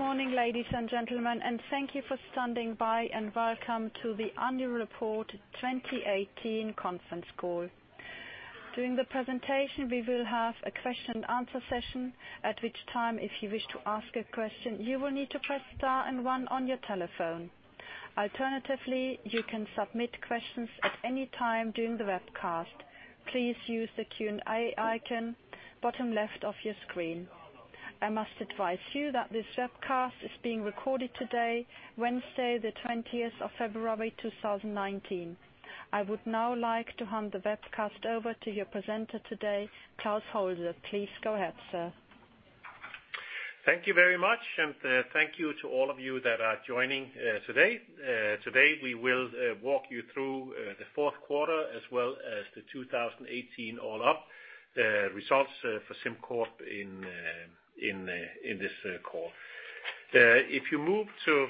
Good morning, ladies and gentlemen, thank you for standing by, and welcome to the annual report 2018 conference call. During the presentation, we will have a question and answer session, at which time, if you wish to ask a question, you will need to press star and one on your telephone. Alternatively, you can submit questions at any time during the webcast. Please use the Q&A icon bottom left of your screen. I must advise you that this webcast is being recorded today, Wednesday the 20th of February 2019. I would now like to hand the webcast over to your presenter today, Klaus Holse. Please go ahead, sir. Thank you very much, thank you to all of you that are joining today. Today, we will walk you through the fourth quarter as well as the 2018 all up results for SimCorp in this call. If you move to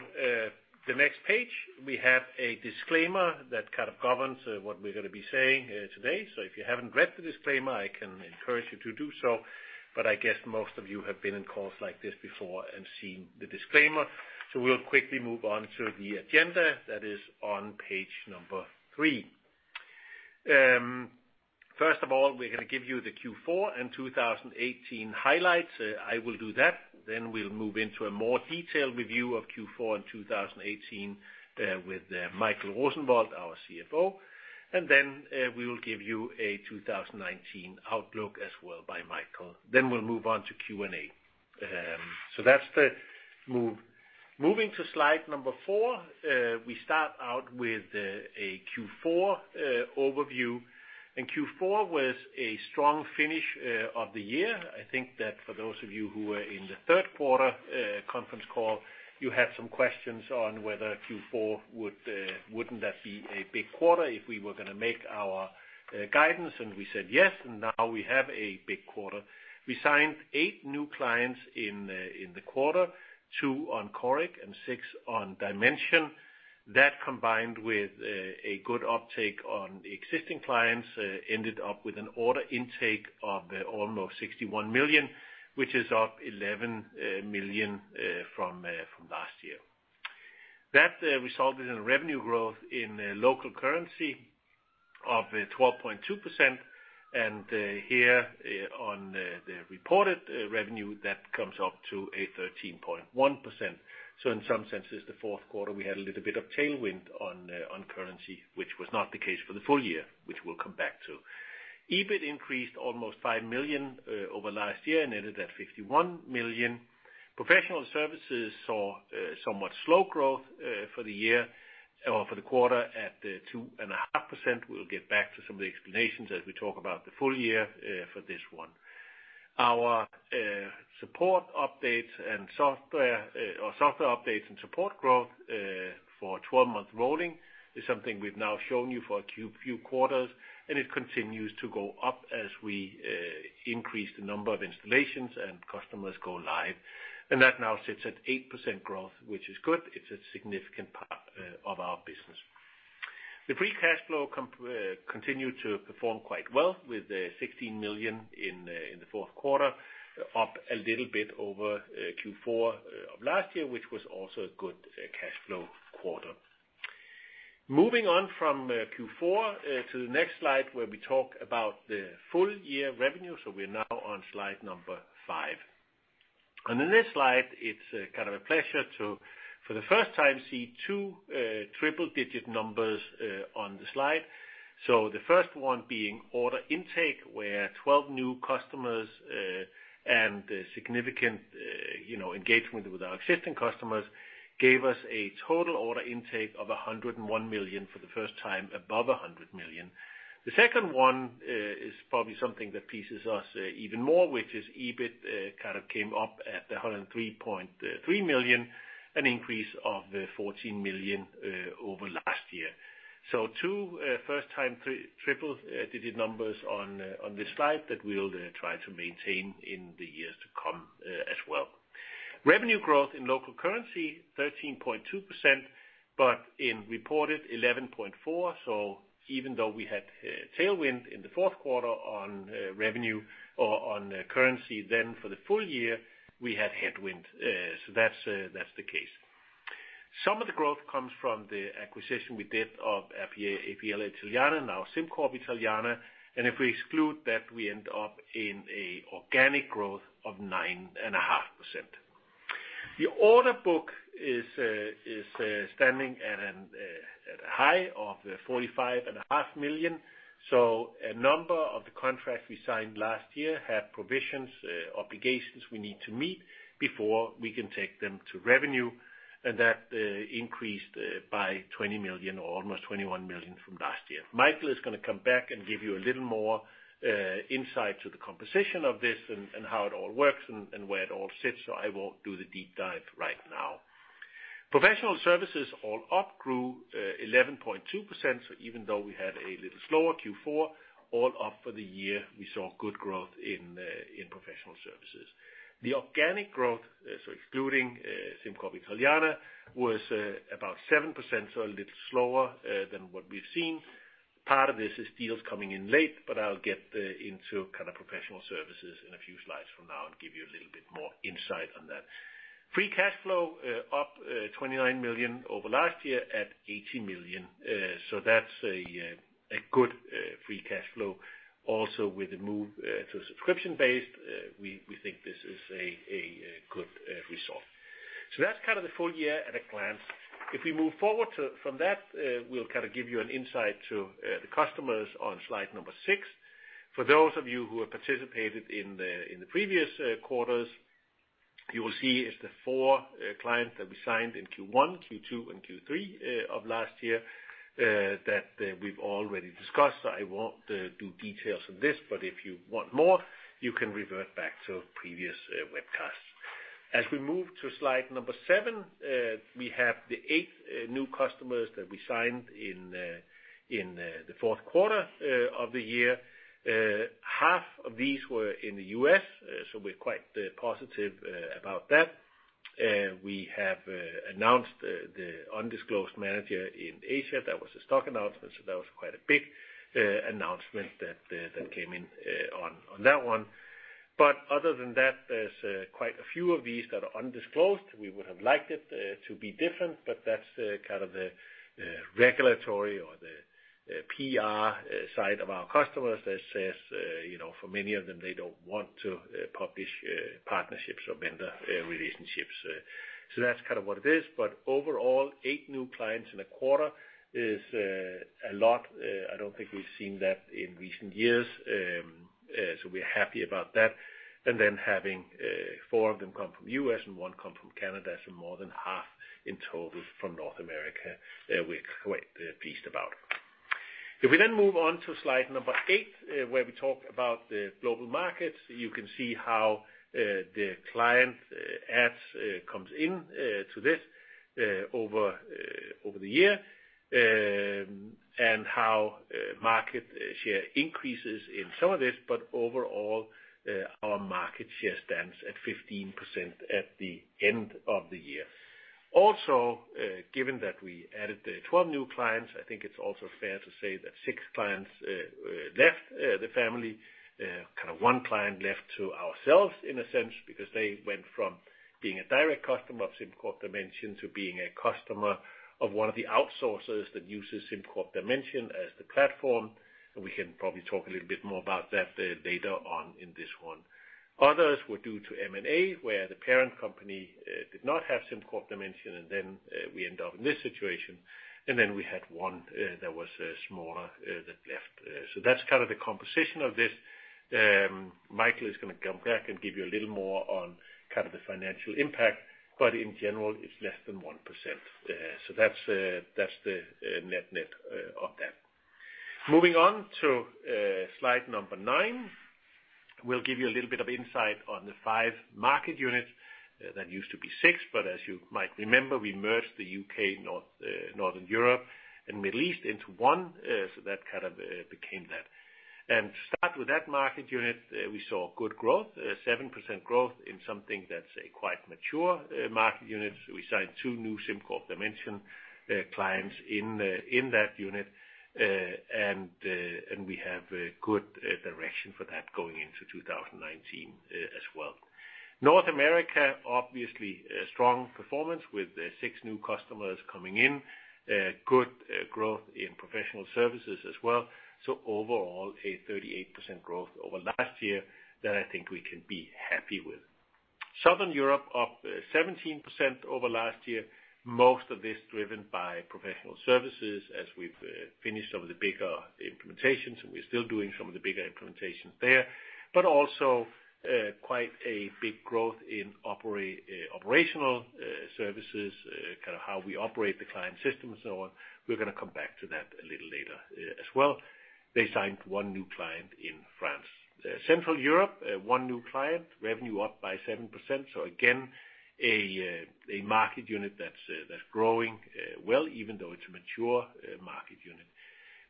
the next page, we have a disclaimer that kind of governs what we're going to be saying today. If you haven't read the disclaimer, I can encourage you to do so, I guess most of you have been in calls like this before and seen the disclaimer. We'll quickly move on to the agenda that is on page number three. First of all, we're going to give you the Q4 and 2018 highlights. I will do that. We'll move into a more detailed review of Q4 and 2018 with Michael Rosenvold, our CFO. We will give you a 2019 outlook as well by Michael. We'll move on to Q&A. That's the move. Moving to slide number four, we start out with a Q4 overview. Q4 was a strong finish of the year. I think that for those of you who were in the third quarter conference call, you had some questions on whether Q4, wouldn't that be a big quarter if we were going to make our guidance? We said yes, now we have a big quarter. We signed eight new clients in the quarter, two on Coric and six on Dimension. That combined with a good uptake on existing clients, ended up with an order intake of almost 61 million, which is up 11 million from last year. That resulted in revenue growth in local currency of 12.2%, here on the reported revenue, that comes up to a 13.1%. In some senses, the fourth quarter, we had a little bit of tailwind on currency, which was not the case for the full year, which we'll come back to. EBIT increased almost 5 million over last year and ended at 51 million. Professional services saw somewhat slow growth for the quarter at 2.5%. We'll get back to some of the explanations as we talk about the full year for this one. Our software updates and support growth for 12-month rolling is something we've now shown you for a few quarters, it continues to go up as we increase the number of installations and customers go live. That now sits at 8% growth, which is good. It's a significant part of our business. The free cash flow continued to perform quite well with 16 million in the fourth quarter, up a little bit over Q4 of last year, which was also a good cash flow quarter. Moving on from Q4 to the next slide, where we talk about the full-year revenue. We're now on slide number five. On the next slide, it's kind of a pleasure to, for the first time, see two triple-digit numbers on the slide. The first one being order intake, where 12 new customers and significant engagement with our existing customers gave us a total order intake of 101 million for the first time above 100 million. The second one is probably something that pleases us even more, which is EBIT kind of came up at 103.3 million, an increase of 14 million over last year. Two first-time triple-digit numbers on this slide that we'll try to maintain in the years to come as well. Revenue growth in local currency, 13.2%, but in reported 11.4%. Even though we had tailwind in the fourth quarter on revenue or on currency then for the full-year, we had headwind. That's the case. Some of the growth comes from the acquisition we did of APL Italiana, now SimCorp Italiana. If we exclude that, we end up in an organic growth of 9.5%. The order book is standing at a high of 45.5 million. A number of the contracts we signed last year had provisions, obligations we need to meet before we can take them to revenue. That increased by 20 million or almost 21 million from last year. Michael is going to come back and give you a little more insight to the composition of this and how it all works and where it all sits, I won't do the deep dive right now. Professional services all up grew 11.2%, even though we had a little slower Q4, all up for the year, we saw good growth in professional services. The organic growth, excluding SimCorp Italiana, was about 7%, a little slower than what we've seen. Part of this is deals coming in late, but I'll get into professional services in a few slides from now and give you a little bit more insight on that. Free cash flow up 29 million over last year at 80 million. That's a good free cash flow. Also with the move to subscription-based, we think this is a good result. That's the full-year at a glance. If we move forward from that, we'll give you an insight to the customers on slide number six. For those of you who have participated in the previous quarters, you will see it's the four clients that we signed in Q1, Q2 and Q3 of last year that we've already discussed. I won't do details on this, but if you want more, you can revert back to previous webcasts. As we move to slide number seven, we have the eight new customers that we signed in the fourth quarter of the year. Half of these were in the U.S., we're quite positive about that. We have announced the undisclosed manager in Asia. That was a stock announcement, that was quite a big announcement that came in on that one. Other than that, there's quite a few of these that are undisclosed. We would have liked it to be different, but that's the regulatory or the PR side of our customers that says for many of them, they don't want to publish partnerships or vendor relationships. That's kind of what it is. Overall, eight new clients in a quarter is a lot. I don't think we've seen that in recent years. We're happy about that. Then having four of them come from U.S. and one come from Canada, so more than half in total from North America, we're quite pleased about. We then move on to slide number eight, where we talk about the global markets, you can see how the client adds comes in to this over the year, and how market share increases in some of this, but overall, our market share stands at 15% at the end of the year. Also, given that we added the 12 new clients, I think it's also fair to say that six clients left the family. One client left to ourselves, in a sense, because they went from being a direct customer of SimCorp Dimension to being a customer of one of the outsourcers that uses SimCorp Dimension as the platform. We can probably talk a little bit more about that later on in this one. Others were due to M&A, where the parent company did not have SimCorp Dimension, and then we end up in this situation. We had one that was smaller that left. That's the composition of this. Michael is going to come back and give you a little more on the financial impact. But in general, it's less than 1%. That's the net of that. Moving on to slide number nine, we'll give you a little bit of insight on the five market units. That used to be six, but as you might remember, we merged the U.K., Northern Europe, and Middle East into one. That became that. To start with that market unit, we saw good growth, 7% growth in something that's a quite mature market unit. We signed two new SimCorp Dimension clients in that unit. We have a good direction for that going into 2019 as well. North America, obviously, strong performance with six new customers coming in. Good growth in professional services as well. Overall, a 38% growth over last year that I think we can be happy with. Southern Europe up 17% over last year. Most of this driven by professional services as we've finished some of the bigger implementations, and we're still doing some of the bigger implementations there, but also quite a big growth in operational services, how we operate the client system and so on. We're going to come back to that a little later as well. They signed one new client in France. Central Europe, one new client, revenue up by 7%. Again, a market unit that's growing well even though it's a mature market unit.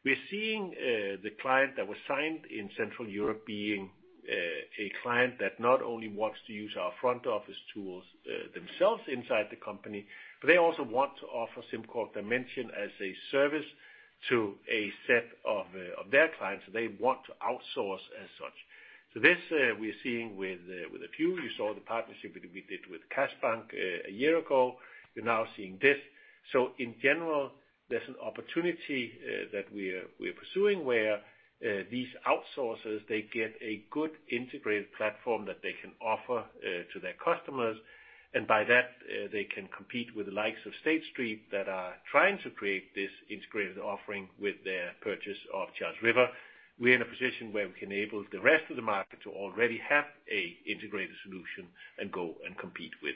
We're seeing the client that was signed in Central Europe being a client that not only wants to use our front office tools themselves inside the company, but they also want to offer SimCorp Dimension as a service to a set of their clients. They want to outsource as such. This we're seeing with a few. You saw the partnership that we did with Saxo Bank a year ago. You're now seeing this. In general, there's an opportunity that we're pursuing where these outsourcers, they get a good integrated platform that they can offer to their customers. By that, they can compete with the likes of State Street that are trying to create this integrated offering with their purchase of Charles River. We're in a position where we can enable the rest of the market to already have an integrated solution and go and compete with.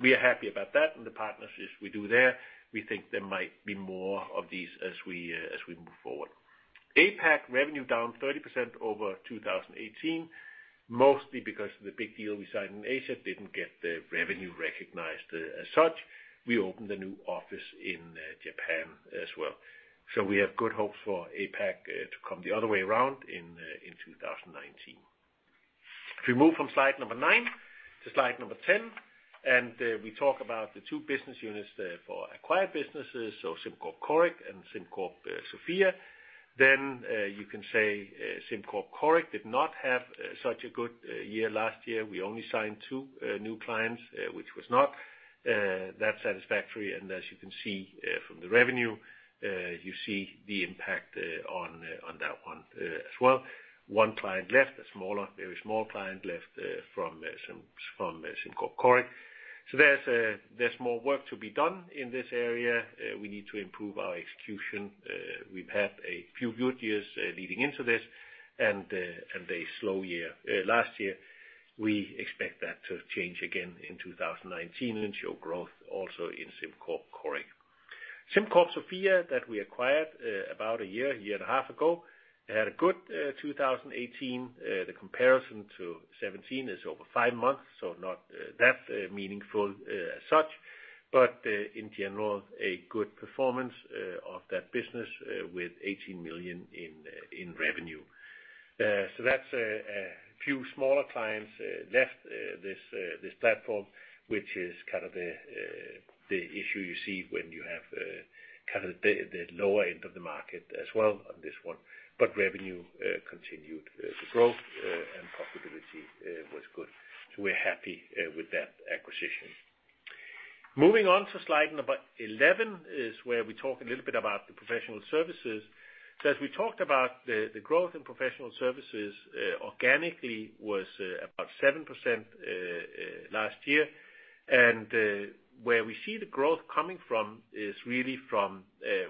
We are happy about that and the partnerships we do there. We think there might be more of these as we move forward. APAC revenue down 30% over 2018, mostly because the big deal we signed in Asia didn't get the revenue recognized as such. We opened a new office in Japan as well. We have good hopes for APAC to come the other way around in 2019. If we move from slide number 9 to slide number 10, we talk about the two business units there for acquired businesses, SimCorp Coric and SimCorp Sofia. You can say SimCorp Coric did not have such a good year last year. We only signed two new clients, which was not that satisfactory. As you can see from the revenue, you see the impact on that one as well. One client left, a very small client left from SimCorp Coric. There's more work to be done in this area. We need to improve our execution. We've had a few good years leading into this and a slow year last year. We expect that to change again in 2019 and show growth also in SimCorp Coric. SimCorp Sofia, that we acquired about a year and a half ago, had a good 2018. The comparison to 2017 is over five months, not that meaningful as such. In general, a good performance of that business with 18 million in revenue. That's a few smaller clients left this platform, which is kind of the issue you see when you have kind of the lower end of the market as well on this one. Revenue continued to grow, and profitability was good. We're happy with that acquisition. Moving on to slide number 11 is where we talk a little bit about the professional services. As we talked about the growth in professional services organically was about 7% last year. Where we see the growth coming from is really from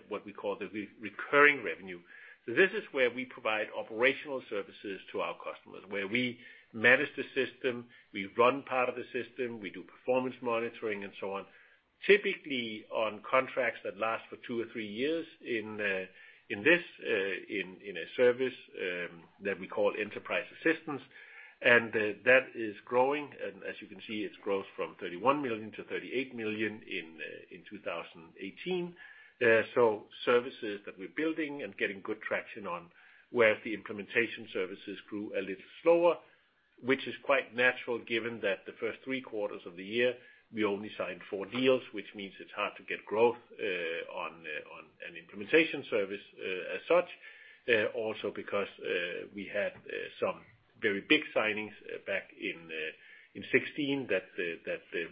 what we call the recurring revenue. This is where we provide operational services to our customers, where we manage the system, we run part of the system, we do performance monitoring and so on, typically on contracts that last for two or three years in a service that we call enterprise assistance. That is growing. As you can see, it's grown from 31 million to 38 million in 2018. Services that we're building and getting good traction on, whereas the implementation services grew a little slower, which is quite natural given that the first three quarters of the year, we only signed four deals, which means it's hard to get growth on an implementation service as such. Also because we had some very big signings back in 2016 that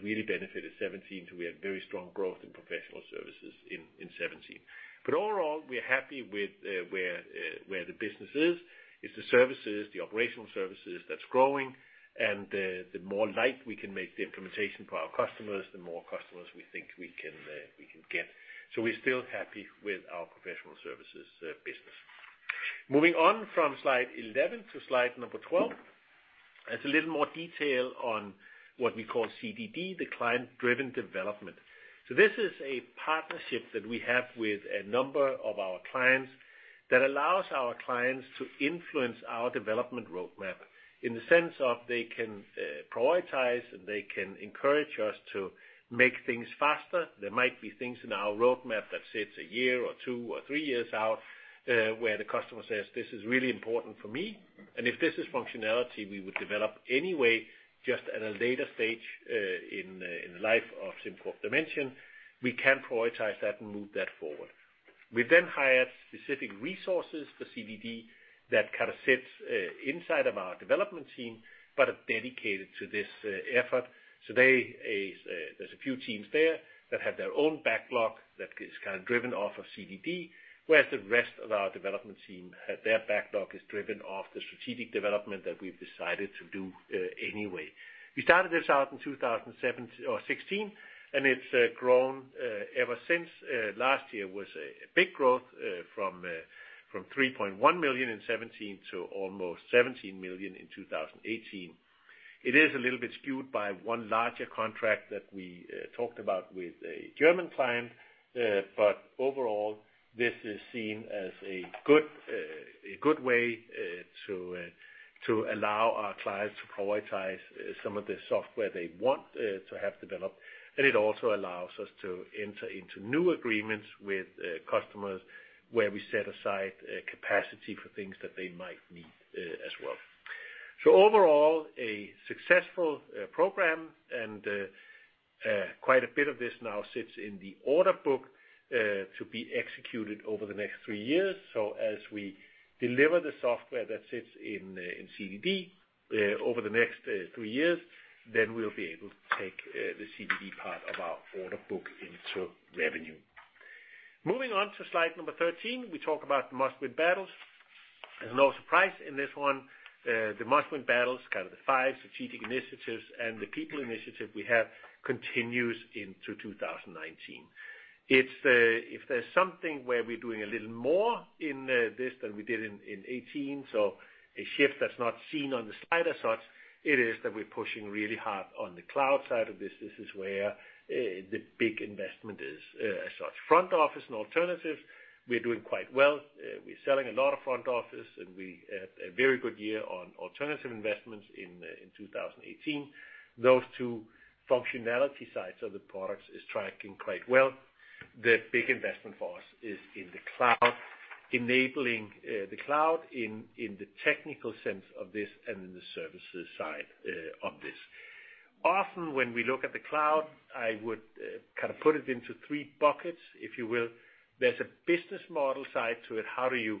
really benefited 2017. We had very strong growth in professional services in 2017. Overall, we're happy with where the business is. It's the services, the operational services that's growing. The more light we can make the implementation for our customers, the more customers we think we can get. We're still happy with our professional services business. Moving on from slide 11 to slide number 12. It's a little more detail on what we call CDD, the Client-Driven Development. This is a partnership that we have with a number of our clients that allows our clients to influence our development roadmap. In the sense of they can prioritize, and they can encourage us to make things faster. There might be things in our roadmap that sits a year or two or three years out, where the customer says, "This is really important for me." If this is functionality we would develop anyway, just at a later stage in the life of SimCorp Dimension, we can prioritize that and move that forward. We then hire specific resources for CDD that kind of sits inside of our development team, but are dedicated to this effort. There's a few teams there that have their own backlog that is kind of driven off of CDD, whereas the rest of our development team, their backlog is driven off the strategic development that we've decided to do anyway. We started this out in 2016, and it's grown ever since. Last year was a big growth from 3.1 million in 2017 to almost 17 million in 2018. It is a little bit skewed by one larger contract that we talked about with a German client. Overall, this is seen as a good way to allow our clients to prioritize some of the software they want to have developed. It also allows us to enter into new agreements with customers where we set aside capacity for things that they might need as well. Overall, a successful program, and quite a bit of this now sits in the order book to be executed over the next three years. As we deliver the software that sits in CDD over the next three years, then we'll be able to take the CDD part of our order book into revenue. Moving on to slide number 13, we talk about Must-Win Battles. There's no surprise in this one. The Must-Win Battles, kind of the five strategic initiatives and the people initiative we have continues into 2019. If there's something where we're doing a little more in this than we did in 2018, so a shift that's not seen on the slide as such, it is that we're pushing really hard on the cloud side of this. This is where the big investment is as such. Front office and alternatives, we're doing quite well. We're selling a lot of front office, and we had a very good year on alternative investments in 2018. Those two functionality sides of the products is tracking quite well. The big investment for us is in the cloud. Enabling the cloud in the technical sense of this and in the services side of this. Often when we look at the cloud, I would put it into three buckets, if you will. There's a business model side to it. How do you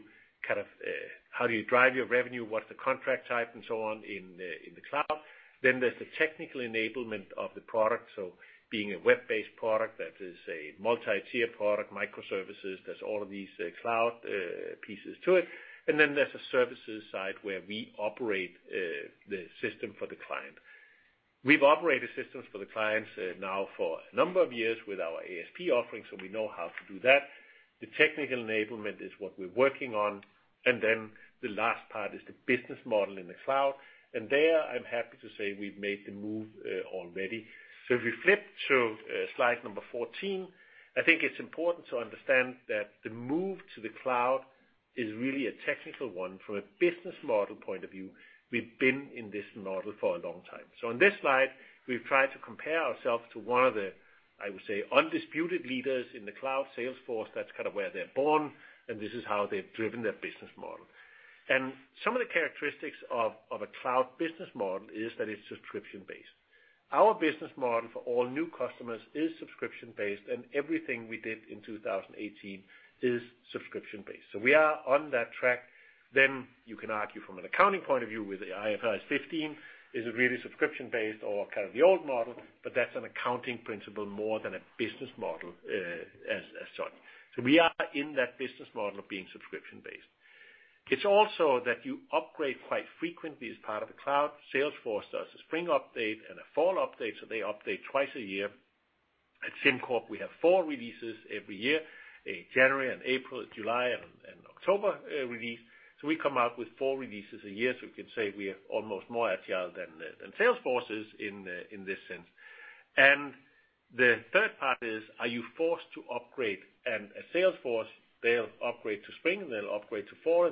drive your revenue? What's the contract type, and so on, in the cloud? There's the technical enablement of the product. Being a web-based product that is a multi-tier product, microservices, there's all of these cloud pieces to it. There's a services side where we operate the system for the client. We've operated systems for the clients now for a number of years with our ASP offering, we know how to do that. The technical enablement is what we're working on. The last part is the business model in the cloud. There, I'm happy to say we've made the move already. If we flip to slide number 14, I think it's important to understand that the move to the cloud is really a technical one. From a business model point of view, we've been in this model for a long time. On this slide, we've tried to compare ourselves to one of the, I would say, undisputed leaders in the cloud, Salesforce. That's kind of where they're born, and this is how they've driven their business model. Some of the characteristics of a cloud business model is that it's subscription-based. Our business model for all new customers is subscription-based, and everything we did in 2018 is subscription-based. We are on that track. You can argue from an accounting point of view with IFRS 15. Is it really subscription-based or kind of the old model? That's an accounting principle more than a business model as such. We are in that business model of being subscription-based. It's also that you upgrade quite frequently as part of the cloud. Salesforce does a spring update and a fall update, they update twice a year. At SimCorp, we have four releases every year, a January, an April, a July, and an October release. We come out with four releases a year. We can say we are almost more agile than Salesforce is in this sense. The third part is, are you forced to upgrade? At Salesforce, they'll upgrade to spring, they'll upgrade to fall,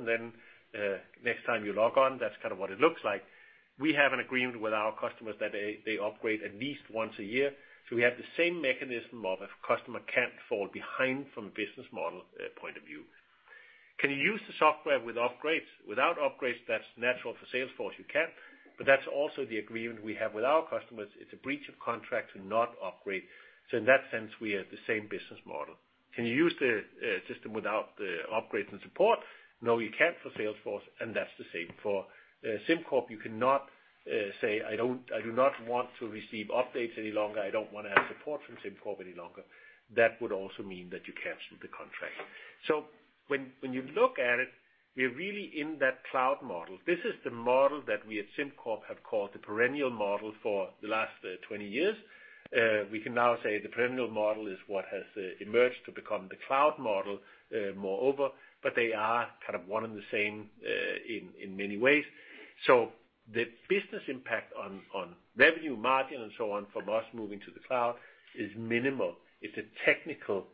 next time you log on, that's kind of what it looks like. We have an agreement with our customers that they upgrade at least once a year. We have the same mechanism of a customer can't fall behind from a business model point of view. Can you use the software without upgrades? That's natural for Salesforce, you can, that's also the agreement we have with our customers. It's a breach of contract to not upgrade. In that sense, we have the same business model. Can you use the system without the upgrades and support? No, you can't for Salesforce, that's the same for SimCorp. You cannot say, "I do not want to receive updates any longer. I don't want to have support from SimCorp any longer." That would also mean that you cancel the contract. When you look at it, we're really in that cloud model. This is the model that we at SimCorp have called the perennial model for the last 20 years. We can now say the perennial model is what has emerged to become the cloud model, moreover, but they are kind of one and the same in many ways. The business impact on revenue margin and so on from us moving to the cloud is minimal. It's a technical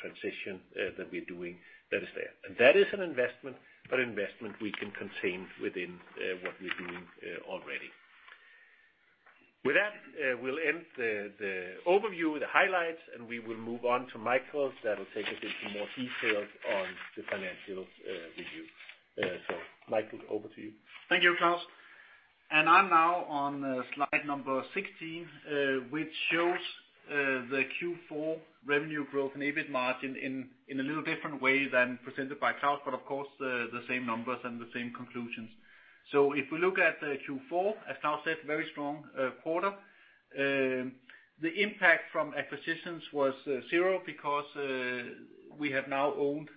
transition that we're doing that is there. That is an investment, but investment we can contain within what we're doing already. With that, we'll end the overview with the highlights, and we will move on to Michael, that'll take us into more details on the financials review. Michael, over to you. Thank you, Klaus. I'm now on slide number 16, which shows the Q4 revenue growth and EBIT margin in a little different way than presented by Klaus, but of course, the same numbers and the same conclusions. If we look at Q4, as Klaus said, very strong quarter. The impact from acquisitions was zero because we have now owned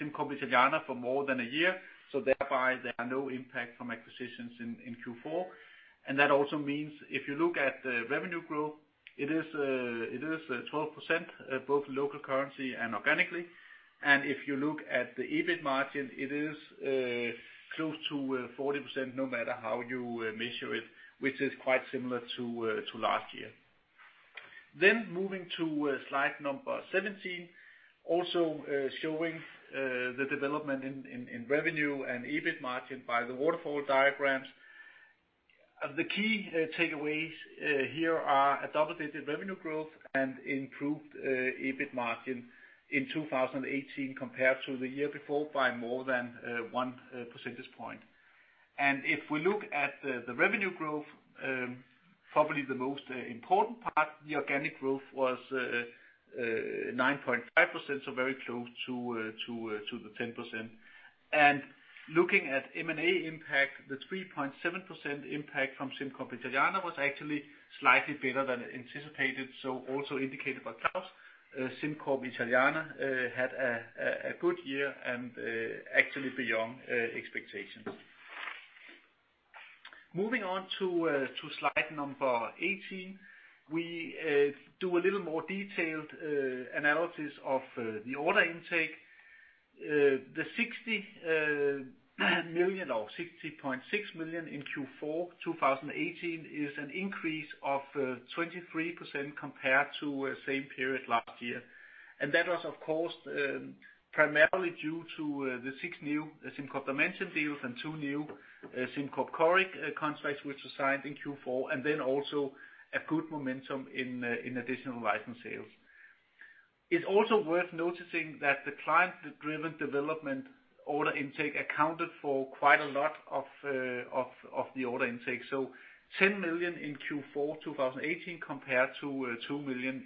SimCorp Italiana for more than a year, so thereby there are no impact from acquisitions in Q4. That also means if you look at the revenue growth, it is 12%, both local currency and organically. If you look at the EBIT margin, it is close to 40%, no matter how you measure it, which is quite similar to last year. Moving to slide number 17, also showing the development in revenue and EBIT margin by the waterfall diagrams. The key takeaways here are a double-digit revenue growth and improved EBIT margin in 2018 compared to the year before by more than one percentage point. If we look at the revenue growth, probably the most important part, the organic growth was 9.5%, so very close to the 10%. Looking at M&A impact, the 3.7% impact from SimCorp Italiana was actually slightly better than anticipated, also indicated by Klaus. SimCorp Italiana had a good year and actually beyond expectations. Moving on to slide number 18. We do a little more detailed analysis of the order intake. The 60 million or 60.6 million in Q4 2018 is an increase of 23% compared to same period last year. That was, of course, primarily due to the six new SimCorp Dimension deals and two new SimCorp Coric contracts which were signed in Q4, and then also a good momentum in additional license sales. It's also worth noticing that the client-driven development order intake accounted for quite a lot of the order intake. 10 million in Q4 2018 compared to 2 million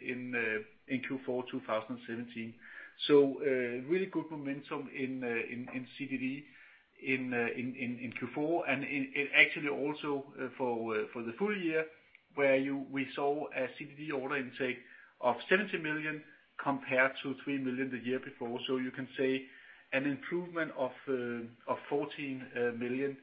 in Q4 2017. Really good momentum in CDD in Q4 and actually also for the full year where we saw a CDD order intake of 70 million compared to 3 million the year before. You can say an improvement of 14 million.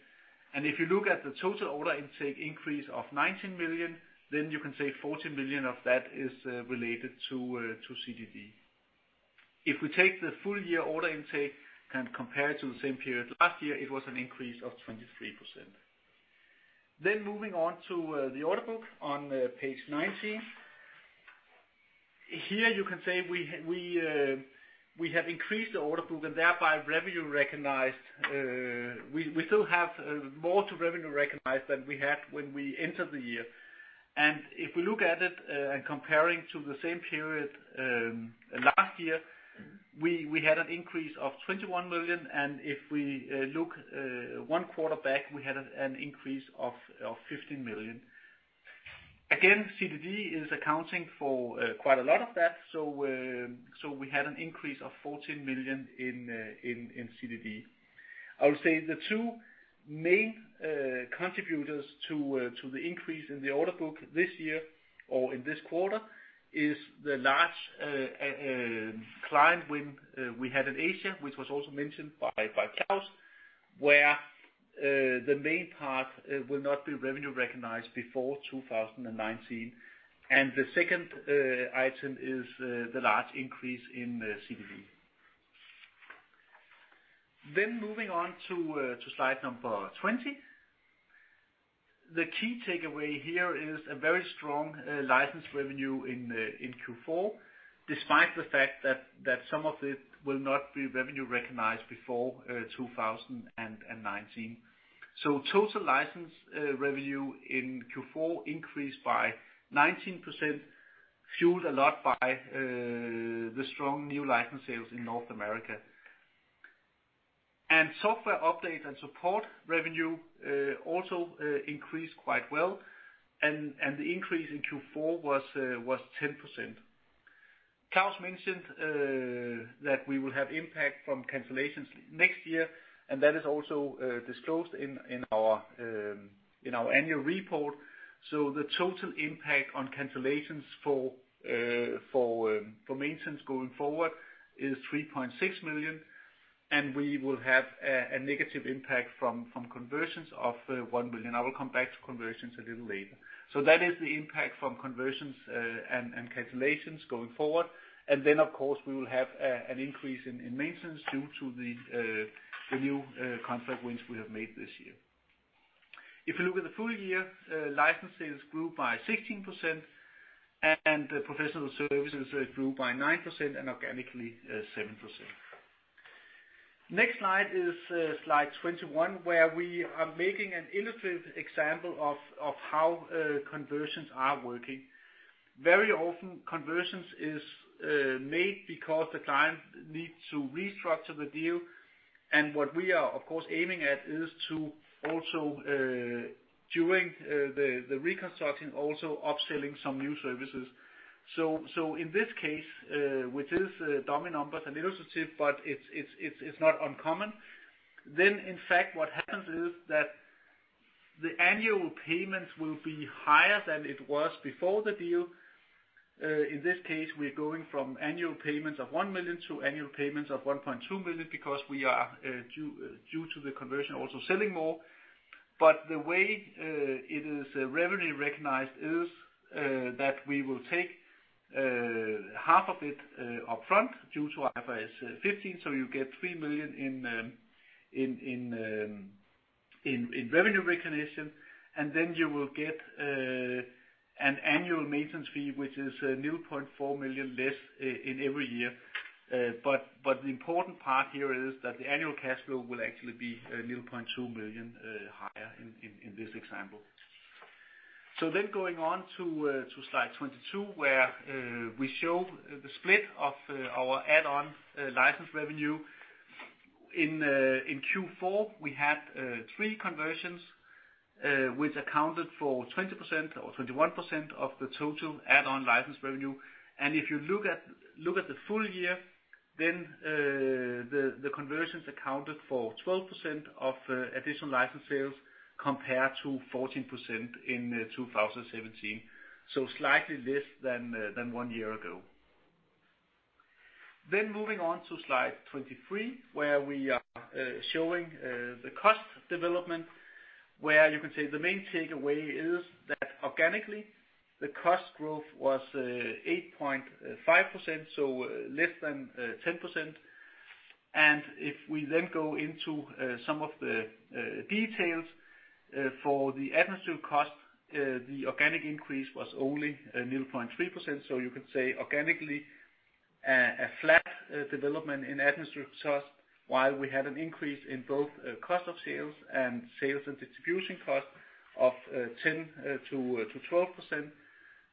If you look at the total order intake increase of 19 million, then you can say 14 million of that is related to CDD. If we take the full year order intake and compare it to the same period last year, it was an increase of 23%. Moving on to the order book on page 19. Here you can say we have increased the order book and thereby revenue recognized. We still have more to revenue recognize than we had when we entered the year. If we look at it and comparing to the same period last year, we had an increase of 21 million, and if we look one quarter back, we had an increase of 15 million. Again, CDD is accounting for quite a lot of that, so we had an increase of 14 million in CDD. I would say the two main contributors to the increase in the order book this year or in this quarter is the large client win we had in Asia, which was also mentioned by Klaus, where the main part will not be revenue recognized before 2019. The second item is the large increase in CDD. Moving on to slide number 20. The key takeaway here is a very strong license revenue in Q4, despite the fact that some of it will not be revenue recognized before 2019. Total license revenue in Q4 increased by 19%, fueled a lot by the strong new license sales in North America. Software update and support revenue also increased quite well, and the increase in Q4 was 10%. Klaus mentioned that we will have impact from cancellations next year, and that is also disclosed in our annual report. The total impact on cancellations for maintenance going forward is 3.6 million, and we will have a negative impact from conversions of 1 million. I will come back to conversions a little later. That is the impact from conversions and cancellations going forward. Of course we will have an increase in maintenance due to the new contract wins we have made this year. If you look at the full year, license sales grew by 16% and the professional services grew by 9% and organically 7%. Next slide is slide 21, where we are making an illustrative example of how conversions are working. Very often conversions is made because the client needs to restructure the deal, and what we are of course aiming at is to also, during the reconstructing, also upselling some new services. In this case, which is dummy numbers and illustrative, but it's not uncommon. In fact what happens is that the annual payments will be higher than it was before the deal. In this case, we're going from annual payments of 1 million to annual payments of 1.2 million because we are, due to the conversion, also selling more. The way it is revenue recognized is that we will take half of it upfront due to IFRS 15, so you get 3 million in revenue recognition, and then you will get an annual maintenance fee, which is 0.4 million less in every year. The important part here is that the annual cash flow will actually be 0.2 million higher in this example. Going on to slide 22, where we show the split of our add-on license revenue. In Q4, we had three conversions, which accounted for 20% or 21% of the total add-on license revenue. If you look at the full year, the conversions accounted for 12% of additional license sales, compared to 14% in 2017, slightly less than one year ago. Moving on to slide 23, where we are showing the cost development, where you can say the main takeaway is that organically, the cost growth was 8.5%, less than 10%. If we then go into some of the details for the administrative cost, the organic increase was only 0.3%. You could say organically, a flat development in administrative costs while we had an increase in both cost of sales and sales and distribution costs of 10%-12%.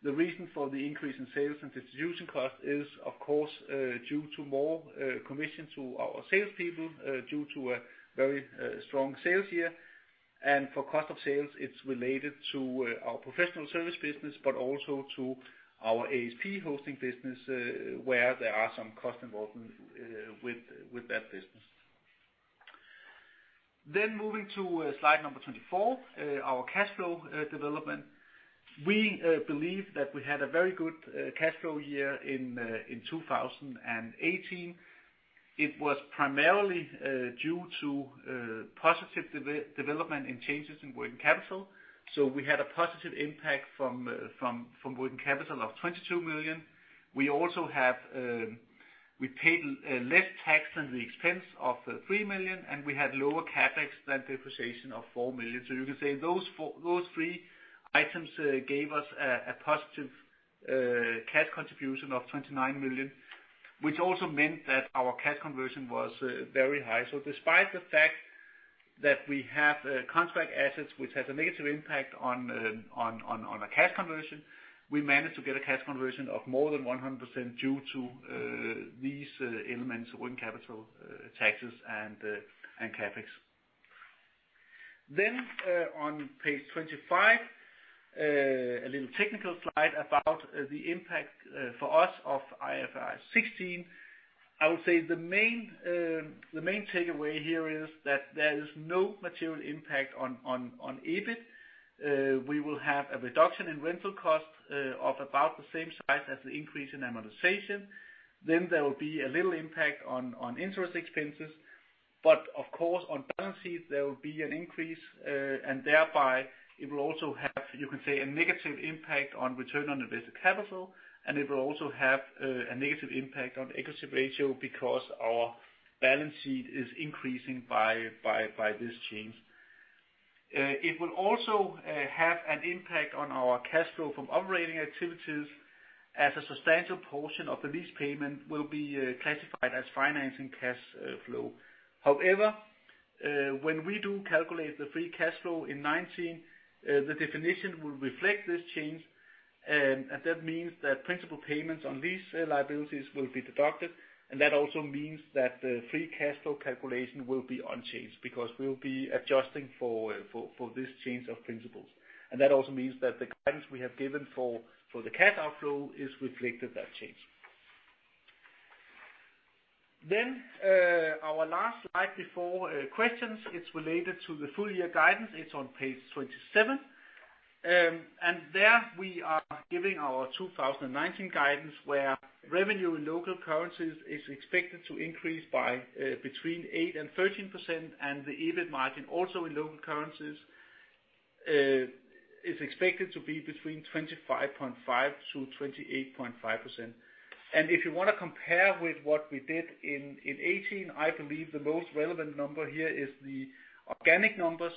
The reason for the increase in sales and distribution costs is, of course, due to more commission to our salespeople, due to a very strong sales year. For cost of sales, it's related to our professional service business, but also to our ASP hosting business, where there are some costs involved with that business. Moving to slide number 24, our cash flow development. We believe that we had a very good cash flow year in 2018. It was primarily due to positive development in changes in working capital. We had a positive impact from working capital of 22 million. We paid less tax than the expense of 3 million, and we had lower CapEx than depreciation of 4 million. You can say those three items gave us a positive cash contribution of 29 million, which also meant that our cash conversion was very high. Despite the fact that we have contract assets which has a negative impact on our cash conversion, we managed to get a cash conversion of more than 100% due to these elements, working capital, taxes, and CapEx. On page 25, a little technical slide about the impact for us of IFRS 16. I would say the main takeaway here is that there is no material impact on EBIT. We will have a reduction in rental costs of about the same size as the increase in amortization. There will be a little impact on interest expenses. Of course, on balance sheet, there will be an increase, and thereby it will also have, you can say, a negative impact on return on invested capital, and it will also have a negative impact on equity ratio because our balance sheet is increasing by this change. It will also have an impact on our cash flow from operating activities as a substantial portion of the lease payment will be classified as financing cash flow. However, when we do calculate the free cash flow in 2019, the definition will reflect this change, that means that principal payments on lease liabilities will be deducted. That also means that the free cash flow calculation will be unchanged because we will be adjusting for this change of principles. That also means that the guidance we have given for the cash outflow is reflected that change. Our last slide before questions, it is related to the full-year guidance. It is on page 27. There we are giving our 2019 guidance, where revenue in local currencies is expected to increase by between 8% and 13%, and the EBIT margin, also in local currencies, is expected to be between 25.5% to 28.5%. If you want to compare with what we did in 2018, I believe the most relevant number here is the organic number.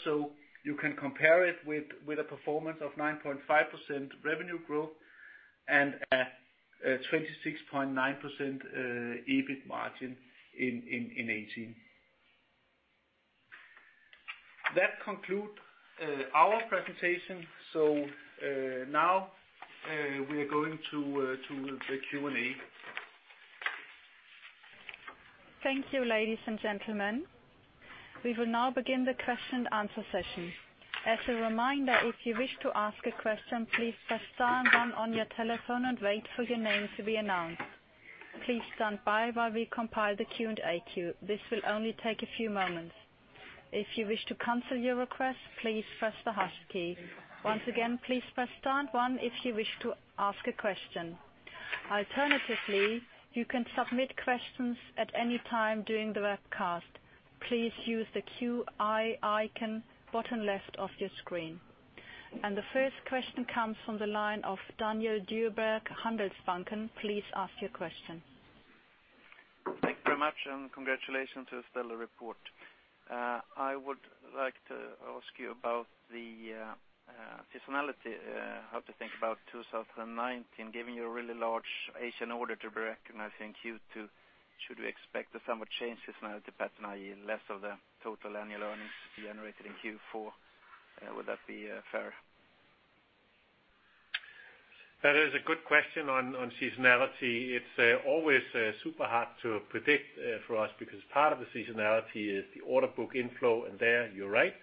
You can compare it with a performance of 9.5% revenue growth and a 26.9% EBIT margin in 2018. That conclude our presentation. Now we are going to the Q&A. Thank you, ladies and gentlemen. We will now begin the question and answer session. As a reminder, if you wish to ask a question, please press star one on your telephone and wait for your name to be announced. Please stand by while we compile the Q&A queue. This will only take a few moments. If you wish to cancel your request, please press the hash key. Once again, please press star one if you wish to ask a question. Alternatively, you can submit questions at any time during the webcast. Please use the Q&A icon bottom left of your screen. The first question comes from the line of Daniel Dyhrberg, Handelsbanken. Please ask your question. Thank you very much. Congratulations to a stellar report. I would like to ask you about the seasonality, how to think about 2019, giving you a really large Asian order to be recognized in Q2. Should we expect a somewhat changed seasonality pattern, i.e. less of the total annual earnings generated in Q4? Would that be fair? That is a good question on seasonality. It's always super hard to predict for us because part of the seasonality is the order book inflow, and there you're right.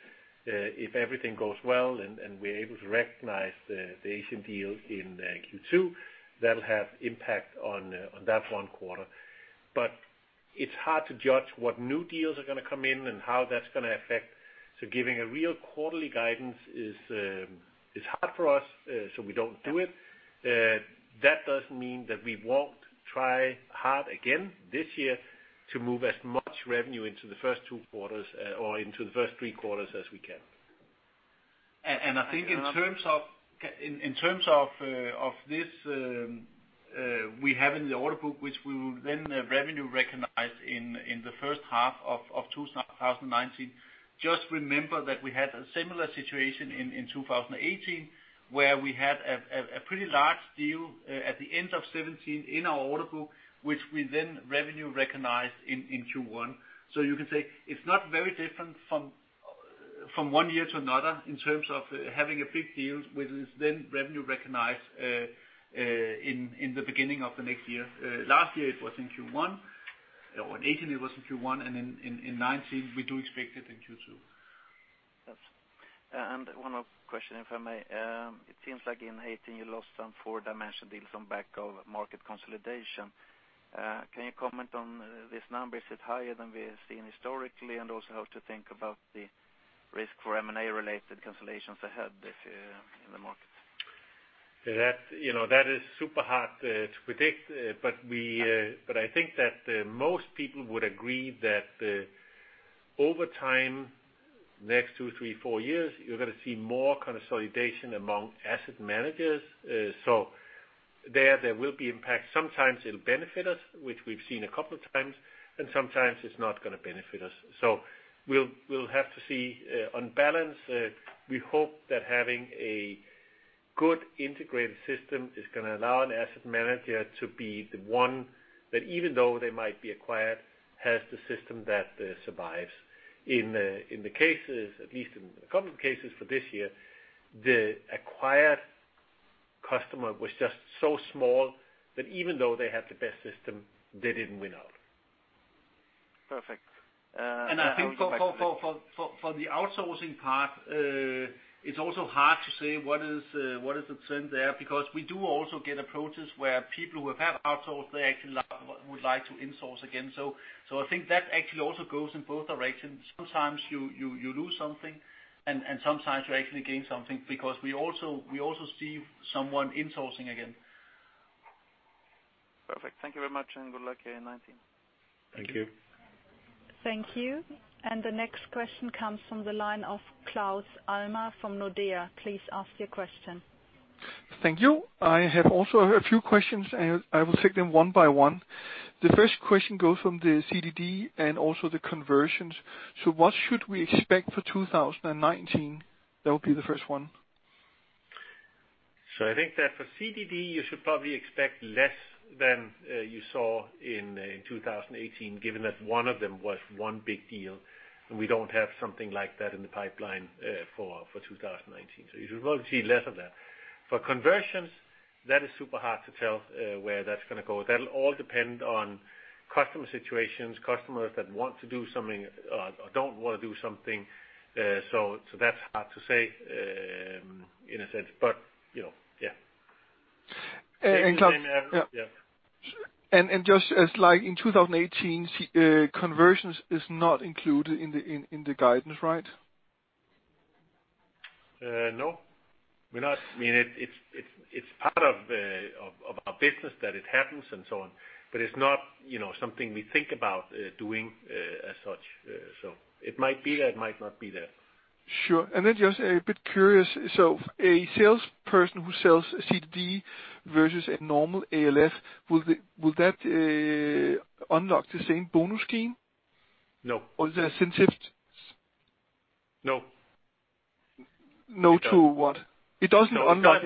If everything goes well and we're able to recognize the Asian deal in Q2, that'll have impact on that one quarter. It's hard to judge what new deals are going to come in and how that's going to affect. Giving a real quarterly guidance is hard for us, so we don't do it. That doesn't mean that we won't try hard again this year to move as much revenue into the first two quarters or into the first three quarters as we can. I think in terms of this, we have in the order book, which we will then revenue recognize in the first half of 2019. Just remember that we had a similar situation in 2018, where we had a pretty large deal at the end of 2017 in our order book, which we then revenue recognized in Q1. You can say it's not very different from From one year to another in terms of having a big deal with this, then revenue recognized in the beginning of the next year. Last year, it was in Q1 or in 2018 it was in Q1 and in 2019, we do expect it in Q2. Yes. One more question, if I may. It seems like in 2018, you lost some SimCorp Dimension deals on back of market consolidation. Can you comment on this number? Is it higher than we have seen historically? Also how to think about the risk for M&A related consolidations ahead this year in the market? That is super hard to predict. I think that most people would agree that over time, next two, three, four years, you're going to see more consolidation among asset managers. There, there will be impact. Sometimes it'll benefit us, which we've seen a couple of times, and sometimes it's not going to benefit us. We'll have to see. On balance, we hope that having a good integrated system is going to allow an asset manager to be the one that even though they might be acquired, has the system that survives. In the cases, at least in a couple of cases for this year, the acquired customer was just so small that even though they had the best system, they didn't win out. Perfect. I think for the outsourcing part, it's also hard to say what is the trend there, because we do also get approaches where people who have had outsourced, they actually would like to insource again. I think that actually also goes in both directions. Sometimes you lose something, and sometimes you actually gain something because we also see someone insourcing again. Perfect. Thank you very much. Good luck in 2019. Thank you. Thank you. The next question comes from the line of Klaus Alma from Nordea. Please ask your question. Thank you. I have also a few questions. I will take them one by one. The first question goes from the CDD and also the conversions. What should we expect for 2019? That will be the first one. I think that for CDD, you should probably expect less than you saw in 2018, given that one of them was one big deal. We don't have something like that in the pipeline for 2019. You should probably see less of that. For conversions, that is super hard to tell where that's going to go. That'll all depend on customer situations, customers that want to do something or don't want to do something. That's hard to say in a sense, but yeah. Just as like in 2018, conversions is not included in the guidance, right? No, we're not. It's part of our business that it happens and so on, it's not something we think about doing as such. It might be there, it might not be there. Sure. Just a bit curious. A salesperson who sells CDD versus a normal ALF, will that unlock the same bonus scheme? No. Is that since- No. No to what? It doesn't unlock-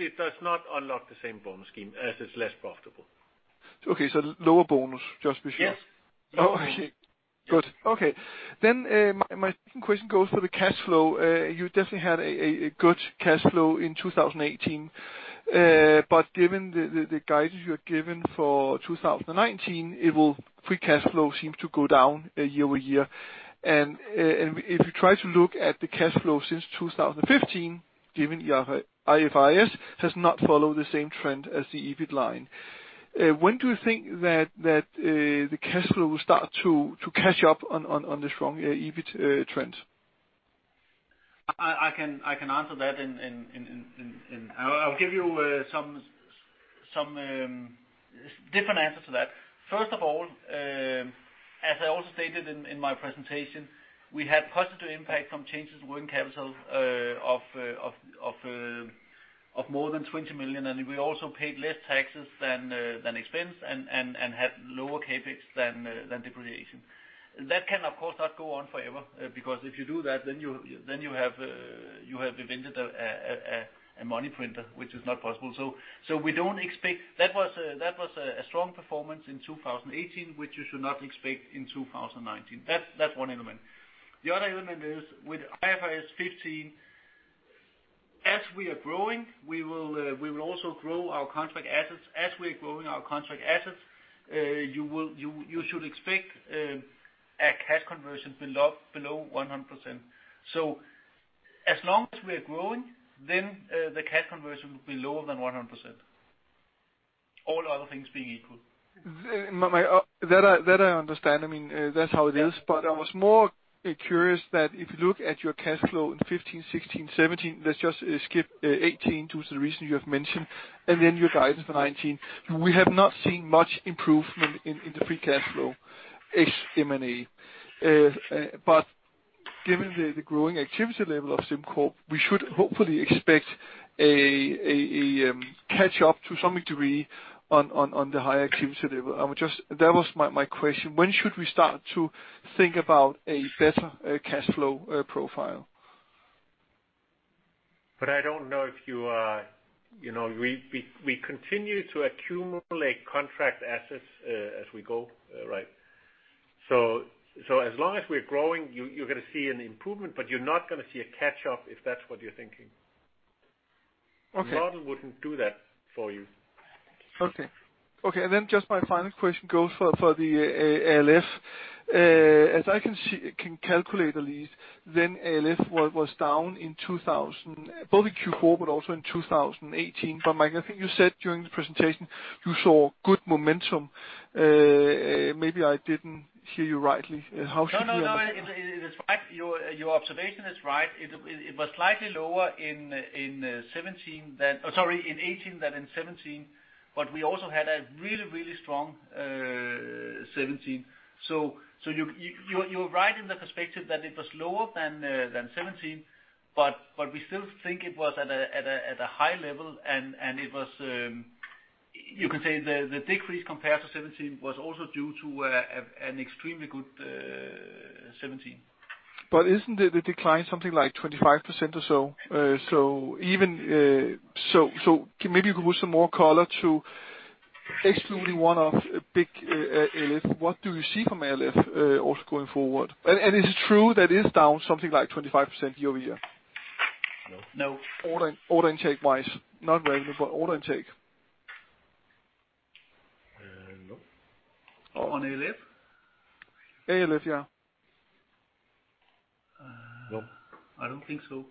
It does not unlock the same bonus scheme as it's less profitable. Okay. Lower bonus, just because- Yes. Okay, good. Okay, my second question goes to the cash flow. You definitely had a good cash flow in 2018. Given the guidance you have given for 2019, free cash flow seems to go down year-over-year. If you try to look at the cash flow since 2015, given your IFRS has not followed the same trend as the EBIT line. When do you think that the cash flow will start to catch up on the strong EBIT trend? I can answer that in I'll give you some different answers to that. First of all, as I also stated in my presentation, we had positive impact from changes in working capital of more than 20 million, and we also paid less taxes than expensed and had lower CapEx than depreciation. That can, of course, not go on forever, because if you do that, then you have invented a money printer, which is not possible. That was a strong performance in 2018, which you should not expect in 2019. That's one element. The other element is with IFRS 15, as we are growing, we will also grow our contract assets. As we are growing our contract assets, you should expect a cash conversion below 100%. As long as we are growing, then the cash conversion will be lower than 100%. All other things being equal. That I understand. That's how it is. I was more curious that if you look at your cash flow in 2015, 2016, 2017, let's just skip 2018 due to the reason you have mentioned, and then your guidance for 2019. We have not seen much improvement in the free cash flow ex M&A. Given the growing activity level of SimCorp, we should hopefully expect a catch up to some degree on the higher activity level. That was my question. When should we start to think about a better cash flow profile? I don't know if you are We continue to accumulate contract assets as we go, right? As long as we're growing, you're going to see an improvement, but you're not going to see a catch-up, if that's what you're thinking. Okay. The model wouldn't do that for you. Okay. Then just my final question goes for the ALF. As I can calculate at least, then ALF was down both in Q4, but also in 2018. Michael, I think you said during the presentation you saw good momentum. Maybe I didn't hear you rightly. How should we- Your observation is right. It was slightly lower in 2018 than in 2017. We also had a really strong 2017. You're right in the perspective that it was lower than 2017, but we still think it was at a high level, and you can say the decrease compared to 2017 was also due to an extremely good 2017. Isn't the decline something like 25% or so? Maybe you could put some more color to excluding one-off big ALF. What do you see from ALF also going forward? Is it true that it is down something like 25% year-over-year? No. Order intake wise. Not revenue, but order intake. No. On ALF? ALF, yeah. No. I don't think so.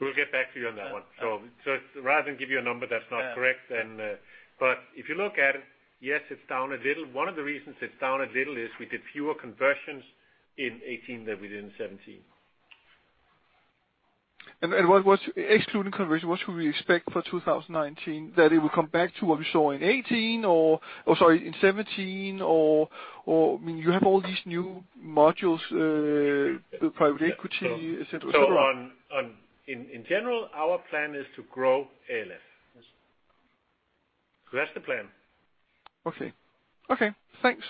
We'll get back to you on that one. Rather than give you a number that's not correct. If you look at it, yes, it's down a little. One of the reasons it's down a little is we did fewer conversions in 2018 than we did in 2017. Excluding conversion, what should we expect for 2019? That it will come back to what we saw in 2018, Sorry, in 2017? You have all these new modules, the private equity, et cetera. In general, our plan is to grow ALF. Yes. That's the plan. Okay. Thanks.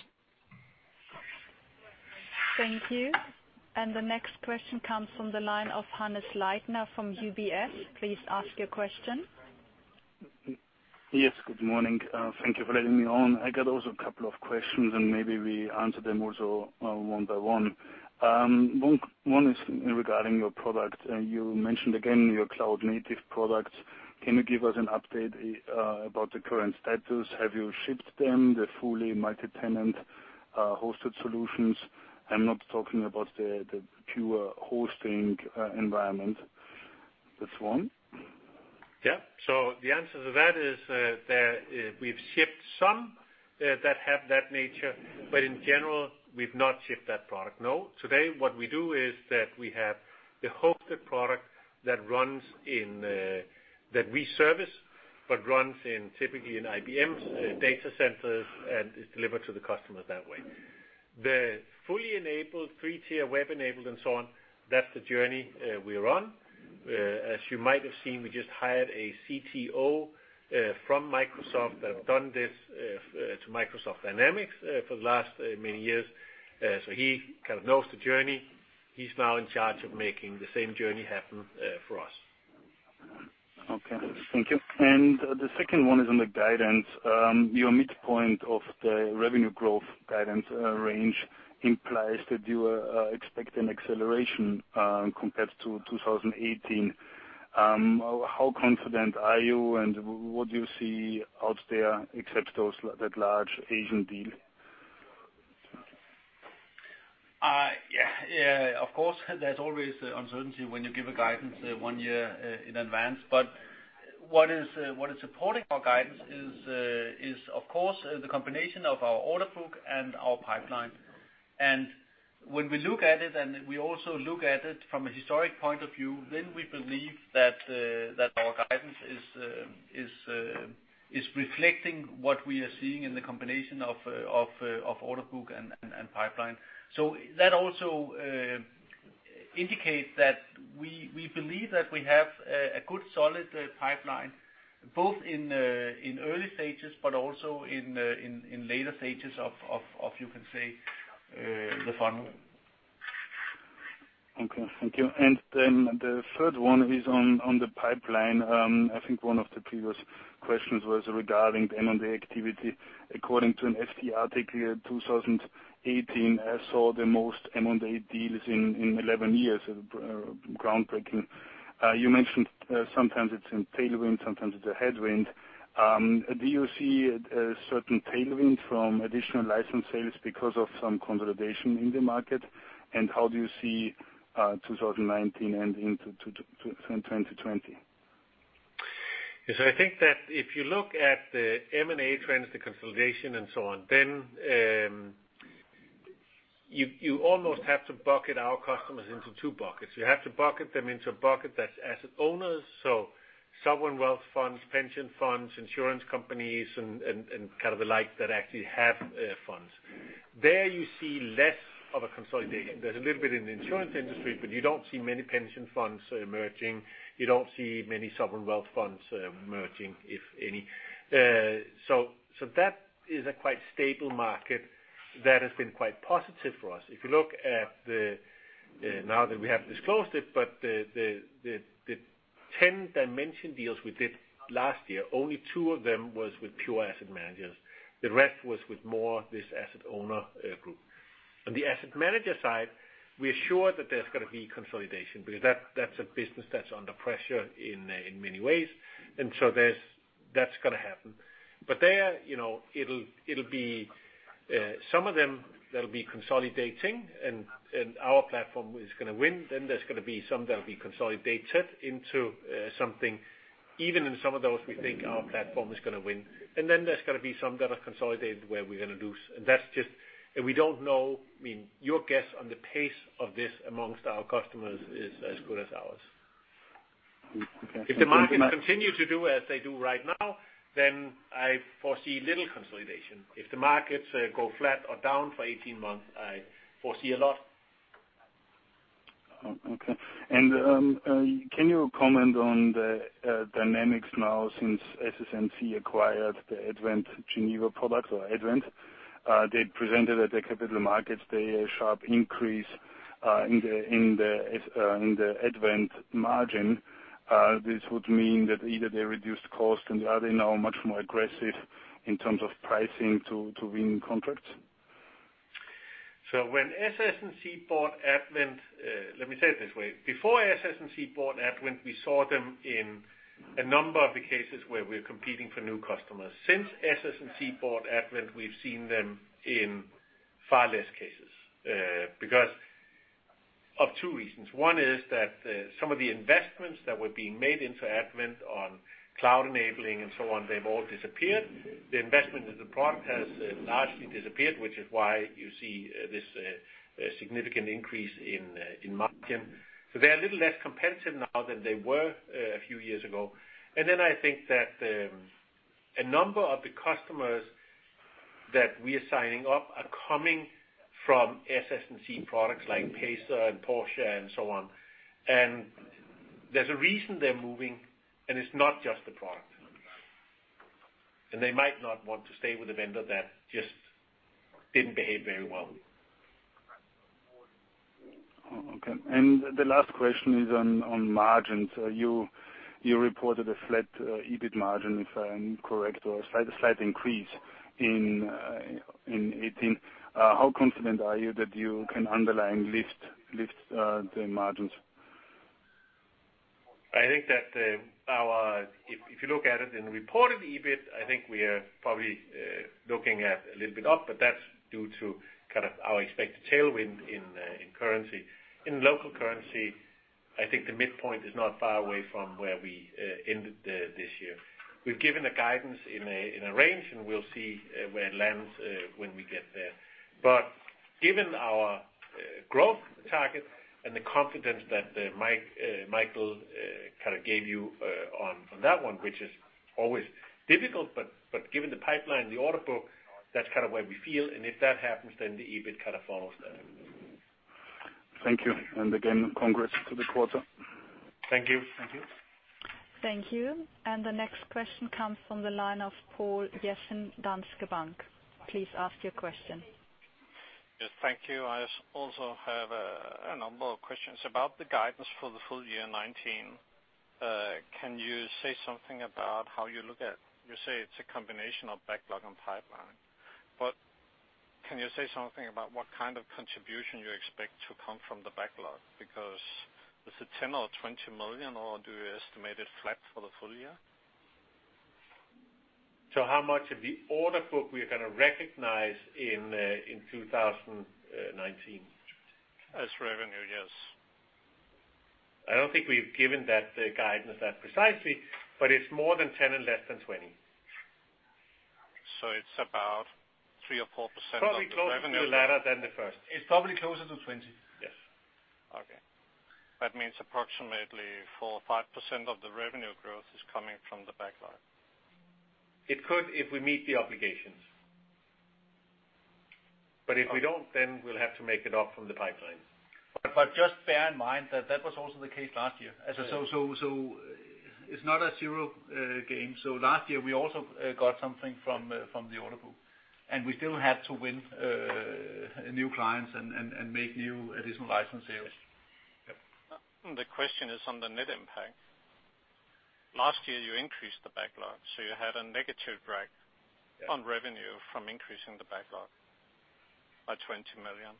Thank you. The next question comes from the line of Hannes Leitner from UBS. Please ask your question. Yes, good morning. Thank you for letting me on. I got also a couple of questions, and maybe we answer them also one by one. One is regarding your product. You mentioned again your cloud-native products. Can you give us an update about the current status? Have you shipped them, the fully multi-tenant hosted solutions? I'm not talking about the pure hosting environment. That's one. The answer to that is that we've shipped some that have that nature, but in general, we've not shipped that product. No. Today, what we do is that we have the hosted product that we service, but runs typically in IBM's data centers, and it's delivered to the customers that way. The fully enabled 3-tier web-enabled and so on, that's the journey we're on. As you might have seen, we just hired a CTO from Microsoft that done this to Microsoft Dynamics for the last many years. He kind of knows the journey. He's now in charge of making the same journey happen for us. Okay, thank you. The second one is on the guidance. Your midpoint of the revenue growth guidance range implies that you expect an acceleration compared to 2018. How confident are you, and what do you see out there except that large Asian deal? Yeah. Of course, there's always uncertainty when you give a guidance one year in advance. What is supporting our guidance is, of course, the combination of our order book and our pipeline. When we look at it, and we also look at it from a historic point of view, we believe that our guidance is reflecting what we are seeing in the combination of order book and pipeline. That also indicates that we believe that we have a good, solid pipeline, both in early stages but also in later stages of, you can say, the funnel. Okay. Thank you. The third one is on the pipeline. I think one of the previous questions was regarding the M&A activity. According to an FT article, 2018 saw the most M&A deals in 11 years. Groundbreaking. You mentioned sometimes it's in tailwind, sometimes it's a headwind. Do you see a certain tailwind from additional license sales because of some consolidation in the market? How do you see 2019 and into 2020? I think that if you look at the M&A trends, the consolidation, and so on, then you almost have to bucket our customers into two buckets. You have to bucket them into a bucket that's asset owners. Sovereign wealth funds, pension funds, insurance companies, and kind of the like, that actually have funds. There you see less of a consolidation. There's a little bit in the insurance industry, but you don't see many pension funds merging. You don't see many sovereign wealth funds merging, if any. That is a quite stable market that has been quite positive for us. If you look at the, now that we have disclosed it, but the 10 Dimension deals we did last year, only two of them was with pure asset managers. The rest was with more this asset owner group. On the asset manager side, we are sure that there's going to be consolidation because that's a business that's under pressure in many ways. That's going to happen. There, some of them, they'll be consolidating and our platform is going to win. There's going to be some that'll be consolidated into something. Even in some of those, we think our platform is going to win. There's going to be some that are consolidated where we're going to lose. We don't know, your guess on the pace of this amongst our customers is as good as ours. Okay. If the markets continue to do as they do right now, I foresee little consolidation. If the markets go flat or down for 18 months, I foresee a lot. Okay. Can you comment on the dynamics now since SS&C acquired the Advent Geneva product or Advent? They presented at the capital markets day a sharp increase in the Advent margin. This would mean that either they reduced cost and are they now much more aggressive in terms of pricing to win contracts? When SS&C bought Advent. Let me say it this way. Before SS&C bought Advent, we saw them in a number of the cases where we're competing for new customers. Since SS&C bought Advent, we've seen them in far less cases. Because of two reasons. One is that some of the investments that were being made into Advent on cloud enabling and so on, they've all disappeared. The investment in the product has largely disappeared, which is why you see this significant increase in margin. They're a little less competitive now than they were a few years ago. I think that a number of the customers that we are signing up are coming from SS&C products like Pacer and Portia and so on. There's a reason they're moving, and it's not just the product. They might not want to stay with a vendor that just didn't behave very well. Okay. The last question is on margins. You reported a flat EBIT margin, if I'm correct, or a slight increase in 2018. How confident are you that you can underline lift the margins? If you look at it in the reported EBIT, I think we are probably looking at a little bit up, but that's due to our expected tailwind in currency. In local currency, I think the midpoint is not far away from where we ended this year. We've given a guidance in a range, and we'll see where it lands when we get there. Given our growth target and the confidence that Michael gave you on that one, which is always difficult, but given the pipeline, the order book, that's kind of where we feel. If that happens, the EBIT kind of follows that. Thank you. Again, congrats to the quarter. Thank you. Thank you. Thank you. The next question comes from the line of Paul Jessen, Danske Bank. Please ask your question. Yes. Thank you. I also have a number of questions about the guidance for the full year 2019. Can you say something about how you look at, you say it's a combination of backlog and pipeline. Can you say something about what kind of contribution you expect to come from the backlog? Because is it 10 million or 20 million, or do you estimate it flat for the full year? How much of the order book we are going to recognize in 2019? As revenue, yes. I don't think we've given that guidance that precisely, but it's more than 10 and less than 20. It's about 3% or 4% of the revenue. Probably closer to the latter than the first. It's probably closer to 20. Yes. Okay. That means approximately 4% or 5% of the revenue growth is coming from the backlog. It could if we meet the obligations. If we don't, then we'll have to make it up from the pipelines. Just bear in mind that that was also the case last year. It's not a zero game. Last year, we also got something from the order book, and we still had to win new clients and make new additional license sales. Yes. The question is on the net impact. Last year, you increased the backlog, you had a negative drag on revenue from increasing the backlog by 20 million.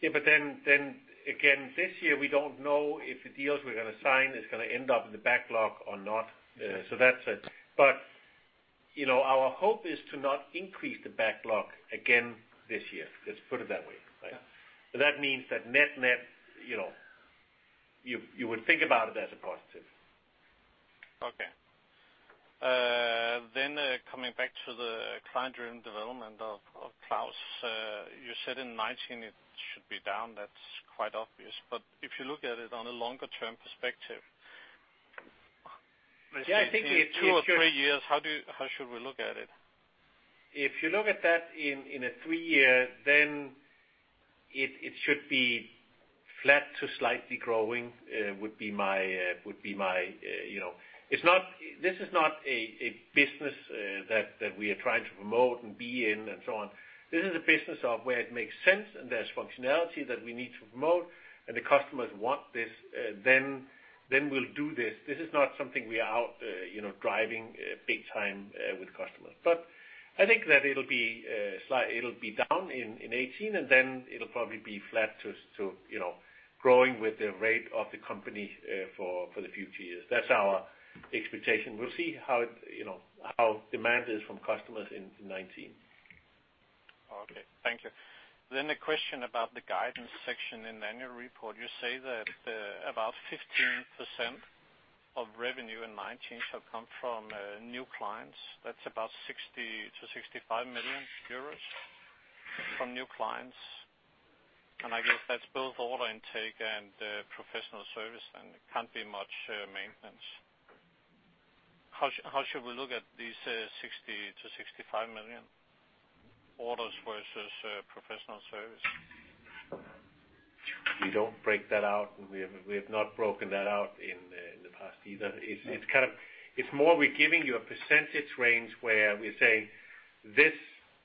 This year, we don't know if the deals we're going to sign is going to end up in the backlog or not. That's it. Our hope is to not increase the backlog again this year. Let's put it that way, right? Yeah. That means that net-net, you would think about it as a positive. Okay. Coming back to the client-driven development of Klaus. You said in 2019 it should be down. That's quite obvious. If you look at it on a longer-term perspective. Yeah, I think it. In two or three years, how should we look at it? If you look at that in a three year, it should be flat to slightly growing. This is not a business that we are trying to promote and be in and so on. This is a business of where it makes sense and there's functionality that we need to promote and the customers want this, we'll do this. This is not something we are out driving big time with customers. I think that it'll be down in 2018, and then it'll probably be flat to growing with the rate of the company for the future years. That's our expectation. We'll see how demand is from customers in 2019. A question about the guidance section in the annual report. You say that about 15% of revenue in 2019 shall come from new clients. That's about 60 million-65 million euros from new clients. I guess that's both order intake and professional service, and it can't be much maintenance. How should we look at these 60 million-65 million orders versus professional service? We don't break that out, and we have not broken that out in the past either. It's more, we're giving you a percentage range where we say this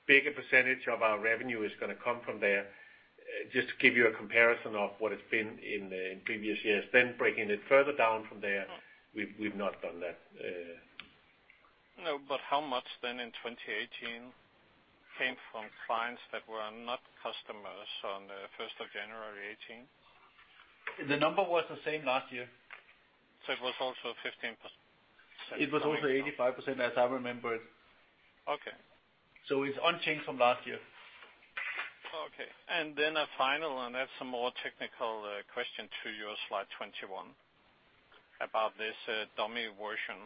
bigger percentage of our revenue is going to come from there. Just to give you a comparison of what it's been in previous years, then breaking it further down from there. We've not done that. How much then in 2018 came from clients that were not customers on the 1st of January 2018? The number was the same last year. It was also 15%. It was also 85%, as I remember it. Okay. It's unchanged from last year. Okay. A final, and that's a more technical question to your slide 21 about this dummy version.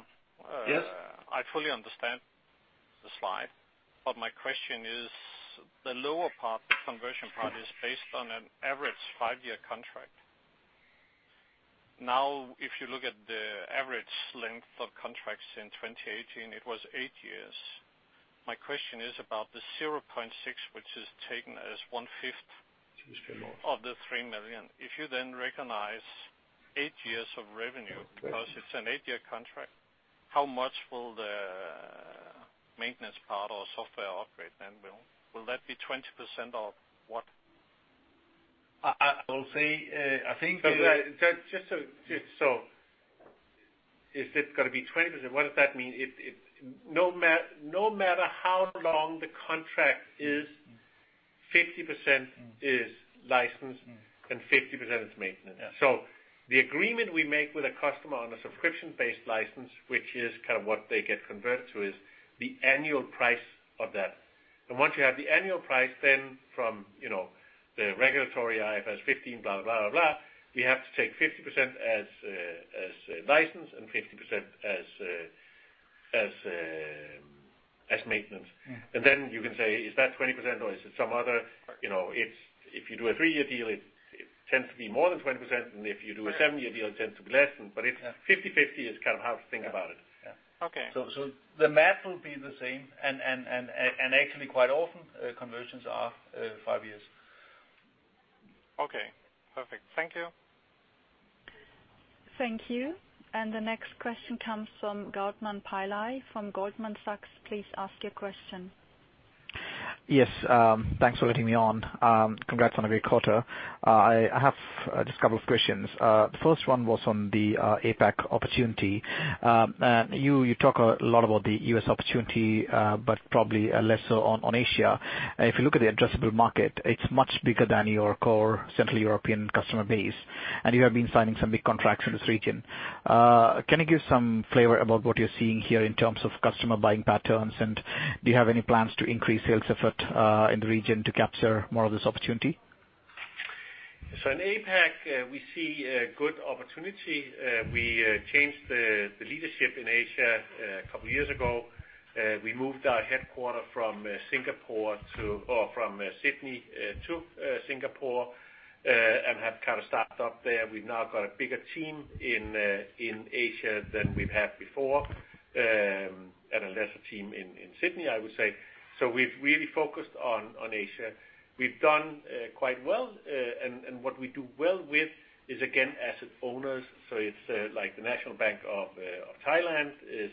Yes. I fully understand the slide, my question is, the lower part, the conversion part, is based on an average five-year contract. Now, if you look at the average length of contracts in 2018, it was eight years. My question is about the 0.6, which is taken as one-fifth of the 3 million. If you then recognize eight years of revenue, because it's an eight-year contract, how much will the maintenance part or software operate then? Will that be 20% of what? I will say, if it's going to be 20%, what does that mean? No matter how long the contract is, 50% is license and 50% is maintenance. Yeah. The agreement we make with a customer on a subscription-based license, which is what they get converted to, is the annual price of that. Once you have the annual price, from the regulatory IFRS 15, blah, blah, we have to take 50% as license and 50% as maintenance. You can say, is that 20% or is it some other? If you do a three-year deal, it tends to be more than 20%, and if you do a seven-year deal, it tends to be less. 50/50 is how to think about it. Yeah. Okay. The math will be the same, actually, quite often conversions are five years. Okay, perfect. Thank you. Thank you. The next question comes from Gautam Pillai from Goldman Sachs. Please ask your question. Yes. Thanks for letting me on. Congrats on a great quarter. I have just a couple of questions. The first one was on the APAC opportunity. You talk a lot about the U.S. opportunity, but probably less so on Asia. If you look at the addressable market, it's much bigger than your core Central European customer base, and you have been signing some big contracts in this region. Can you give some flavor about what you're seeing here in terms of customer buying patterns, and do you have any plans to increase sales effort in the region to capture more of this opportunity? In APAC, we see a good opportunity. We changed the leadership in Asia a couple years ago. We moved our headquarter from Sydney to Singapore, and have started up there. We've now got a bigger team in Asia than we've had before, and a lesser team in Sydney, I would say. We've really focused on Asia. We've done quite well, and what we do well with is, again, asset owners. It's like the National Bank of Thailand is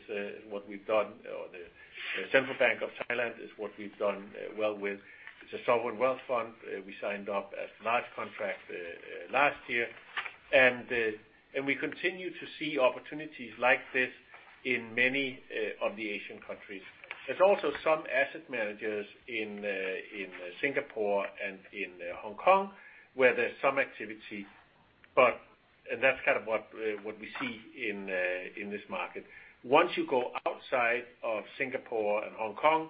what we've done, or the Central Bank of Thailand is what we've done well with. It's a sovereign wealth fund. We signed up a large contract last year. We continue to see opportunities like this in many of the Asian countries. There's also some asset managers in Singapore and in Hong Kong where there's some activity, and that's what we see in this market. Once you go outside of Singapore and Hong Kong,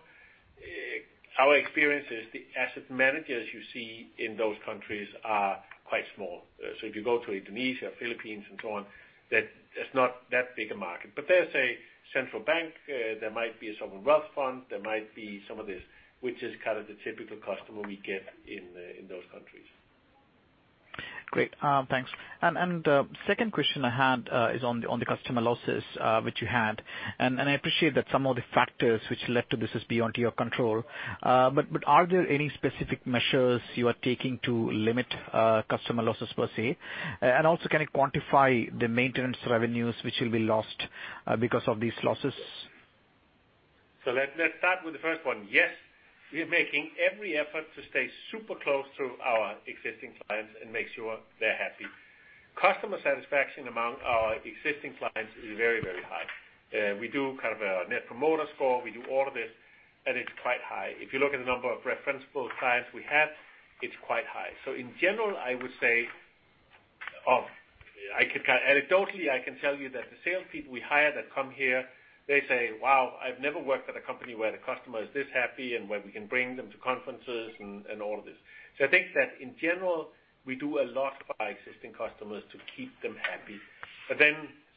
our experience is the asset managers you see in those countries are quite small. If you go to Indonesia, Philippines, and so on, that's not that big a market. There's a central bank, there might be a sovereign wealth fund, there might be some of this, which is the typical customer we get in those countries. Great. Thanks. The second question I had is on the customer losses which you had. I appreciate that some of the factors which led to this is beyond your control. Are there any specific measures you are taking to limit customer losses, per se? Also, can you quantify the maintenance revenues which will be lost because of these losses? Let's start with the first one. Yes, we are making every effort to stay super close to our existing clients and make sure they're happy. Customer satisfaction among our existing clients is very, very high. We do a net promoter score. We do all of this, it's quite high. If you look at the number of referenceable clients we have, it's quite high. In general, I would say, anecdotally, I can tell you that the salespeople we hire that come here, they say, "Wow, I've never worked at a company where the customer is this happy and where we can bring them to conferences," and all of this. I think that in general, we do a lot for our existing customers to keep them happy.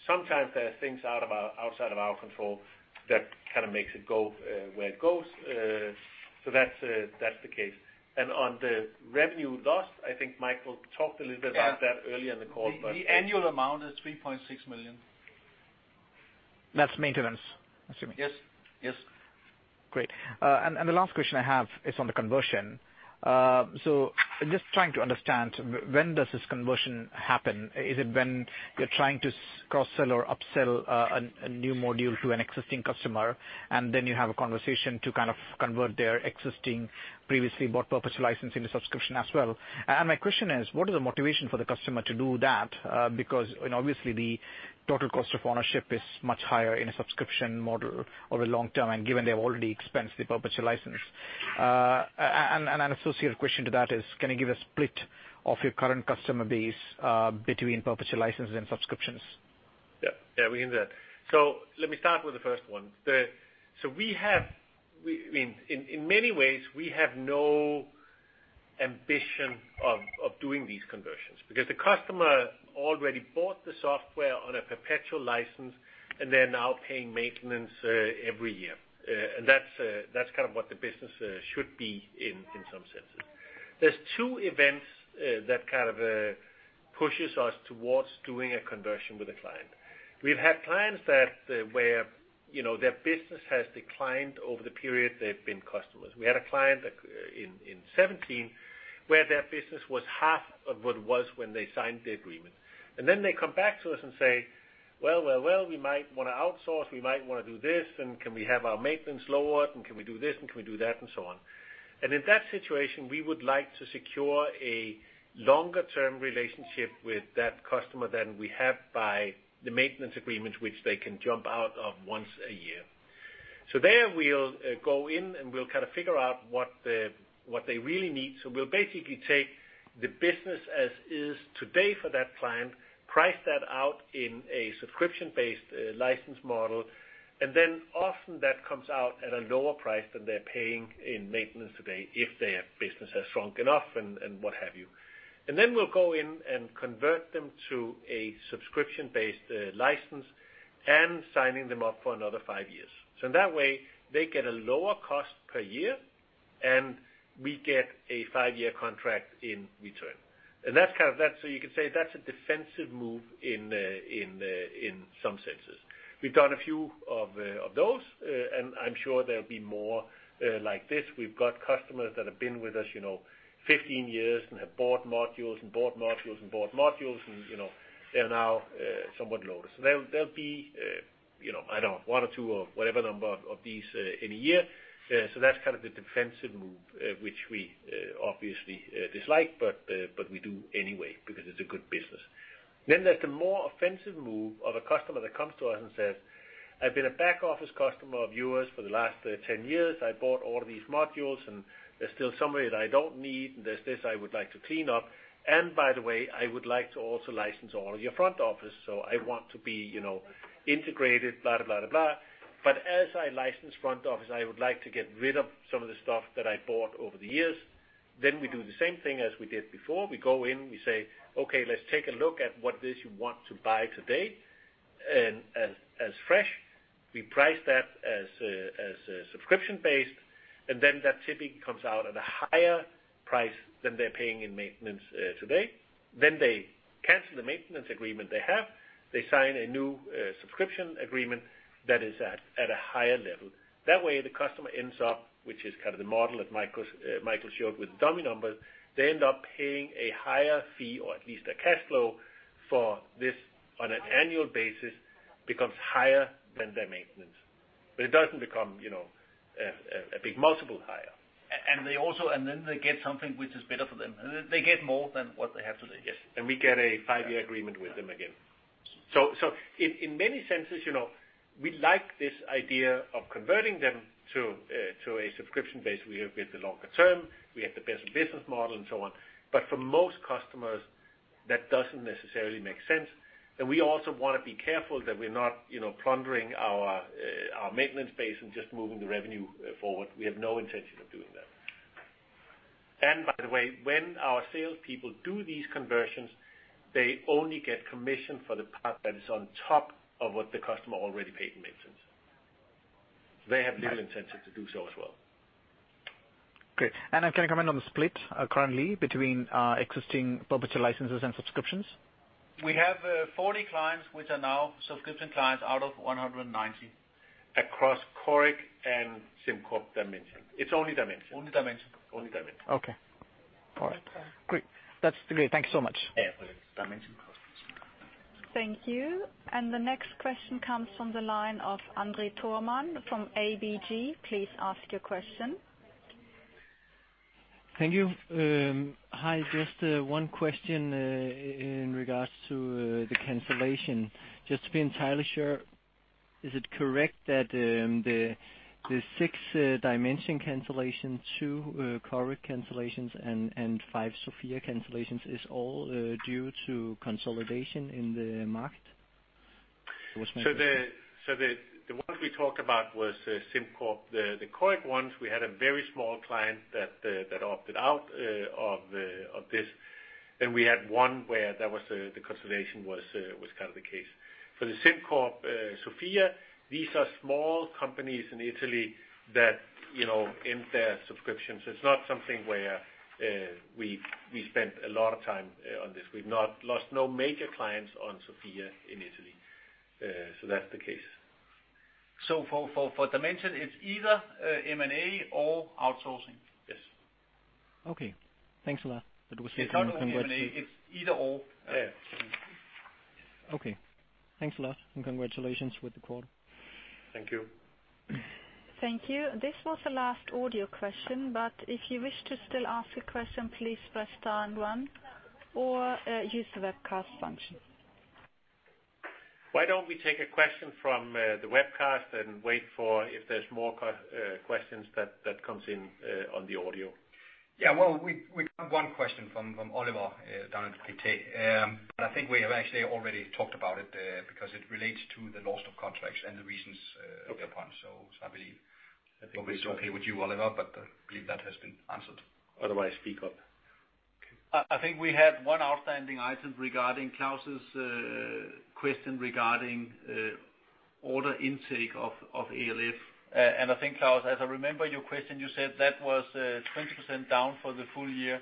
Sometimes there are things outside of our control that kind of makes it go where it goes. That's the case. On the revenue lost, I think Michael talked a little bit about that early in the call. The annual amount is 3.6 million. That's maintenance, assuming. Yes. Yes. The last question I have is on the conversion. Just trying to understand, when does this conversion happen? Is it when you're trying to cross-sell or upsell a new module to an existing customer, and then you have a conversation to convert their existing previously bought perpetual license into subscription as well? My question is, what is the motivation for the customer to do that? Because obviously, the total cost of ownership is much higher in a subscription model over the long term and given they've already expensed the perpetual license. An associate question to that is, can you give a split of your current customer base between perpetual licenses and subscriptions? Yeah. We can do that. Let me start with the first one. In many ways, we have no ambition of doing these conversions because the customer already bought the software on a perpetual license, and they're now paying maintenance every year. That's what the business should be in some senses. There's two events that kind of pushes us towards doing a conversion with a client. We've had clients where their business has declined over the period they've been customers. We had a client in 2017 where their business was half of what it was when they signed the agreement. Then they come back to us and say, "Well, we might want to outsource. We might want to do this, and can we have our maintenance lowered? And can we do this and can we do that?" And so on. In that situation, we would like to secure a longer-term relationship with that customer than we have by the maintenance agreement, which they can jump out of once a year. There, we'll go in, and we'll figure out what they really need. We'll basically take the business as is today for that client, price that out in a subscription-based license model, then often that comes out at a lower price than they're paying in maintenance today if their business has shrunk enough and what have you. Then we'll go in and convert them to a subscription-based license and signing them up for another five years. In that way, they get a lower cost per year, and we get a five-year contract in return. You can say that's a defensive move in some senses. We've done a few of those, I'm sure there'll be more like this. We've got customers that have been with us 15 years and have bought modules and bought modules, and they're now somewhat lower. There'll be, I don't know, one or two or whatever number of these in a year. That's the defensive move, which we obviously dislike, but we do anyway because it's a good business. Then there's the more offensive move of a customer that comes to us and says, "I've been a back-office customer of yours for the last 10 years. I bought all of these modules, and there's still some of it I don't need, and there's this I would like to clean up. By the way, I would like to also license all of your front office. I want to be integrated, blah, blah. As I license front office, I would like to get rid of some of the stuff that I bought over the years." We do the same thing as we did before. We go in, we say, "Okay, let's take a look at what it is you want to buy today as fresh." That typically comes out at a higher price than they're paying in maintenance today. They cancel the maintenance agreement they have. They sign a new subscription agreement that is at a higher level. That way, the customer ends up, which is the model that Michael showed with dummy numbers, they end up paying a higher fee, or at least a cash flow for this on an annual basis becomes higher than their maintenance. It doesn't become a big multiple higher. They get something which is better for them. They get more than what they have today. Yes. We get a five-year agreement with them again. In many senses, we like this idea of converting them to a subscription base. We have the longer term, we have the best business model, and so on. For most customers, that doesn't necessarily make sense. We also want to be careful that we're not plundering our maintenance base and just moving the revenue forward. We have no intention of doing that. By the way, when our salespeople do these conversions, they only get commission for the part that is on top of what the customer already paid in maintenance. They have little intention to do so as well. Great. Can I comment on the split currently between existing perpetual licenses and subscriptions? We have 40 clients, which are now subscription clients out of 190. Across Coric and SimCorp Dimension. It's only Dimension. Only Dimension. Only Dimension. Okay. All right. Great. That's great. Thank you so much. Yeah. Dimension. Thank you. The next question comes from the line of André Thormann from ABG. Please ask your question. Thank you. Hi, just one question in regards to the cancellation. Just to be entirely sure, is it correct that the six Dimension cancellations, two Coric cancellations, and five Sofia cancellations is all due to consolidation in the market? The ones we talked about was SimCorp, the Coric ones. We had a very small client that opted out of this. We had one where the consolidation was the case. For the SimCorp Sofia, these are small companies in Italy that end their subscriptions. It's not something where we spent a lot of time on this. We've not lost no major clients on Sofia in Italy. That's the case. For Dimension, it's either M&A or outsourcing. Yes. Okay. Thanks a lot. It's not only M&A, it's either or. Yes. Okay. Thanks a lot, congratulations with the call. Thank you. Thank you. This was the last audio question. If you wish to still ask a question, please press star and one, or use the webcast function. Why don't we take a question from the webcast and wait for if there's more questions that comes in on the audio? Yeah. Well, we got one question from Oliver down at PT. I think we have actually already talked about it, because it relates to the loss of contracts and the reasons thereupon. I believe, nobody's okay with you, Oliver, but I believe that has been answered. Otherwise, speak up. I think we had one outstanding item regarding Klaus' question regarding order intake of ALF. I think Klaus, as I remember your question, you said that was 20% down for the full year,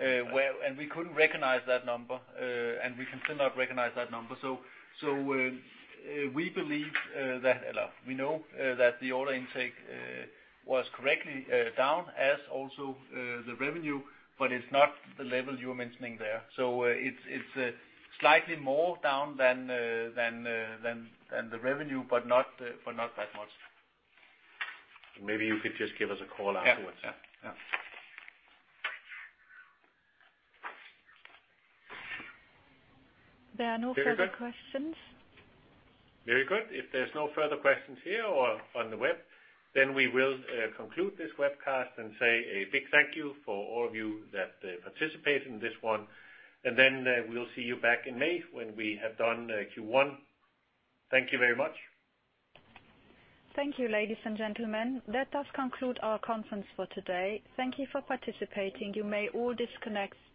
and we couldn't recognize that number, and we can still not recognize that number. We know that the order intake was correctly down as also the revenue, but it's not the level you're mentioning there. It's slightly more down than the revenue, but not that much. Maybe you could just give us a call afterwards. Yeah. There are no further questions. Very good. If there's no further questions here or on the web, we will conclude this webcast and say a big thank you for all of you that participated in this one. We'll see you back in May when we have done Q1. Thank you very much. Thank you, ladies and gentlemen. That does conclude our conference for today. Thank you for participating. You may all disconnect.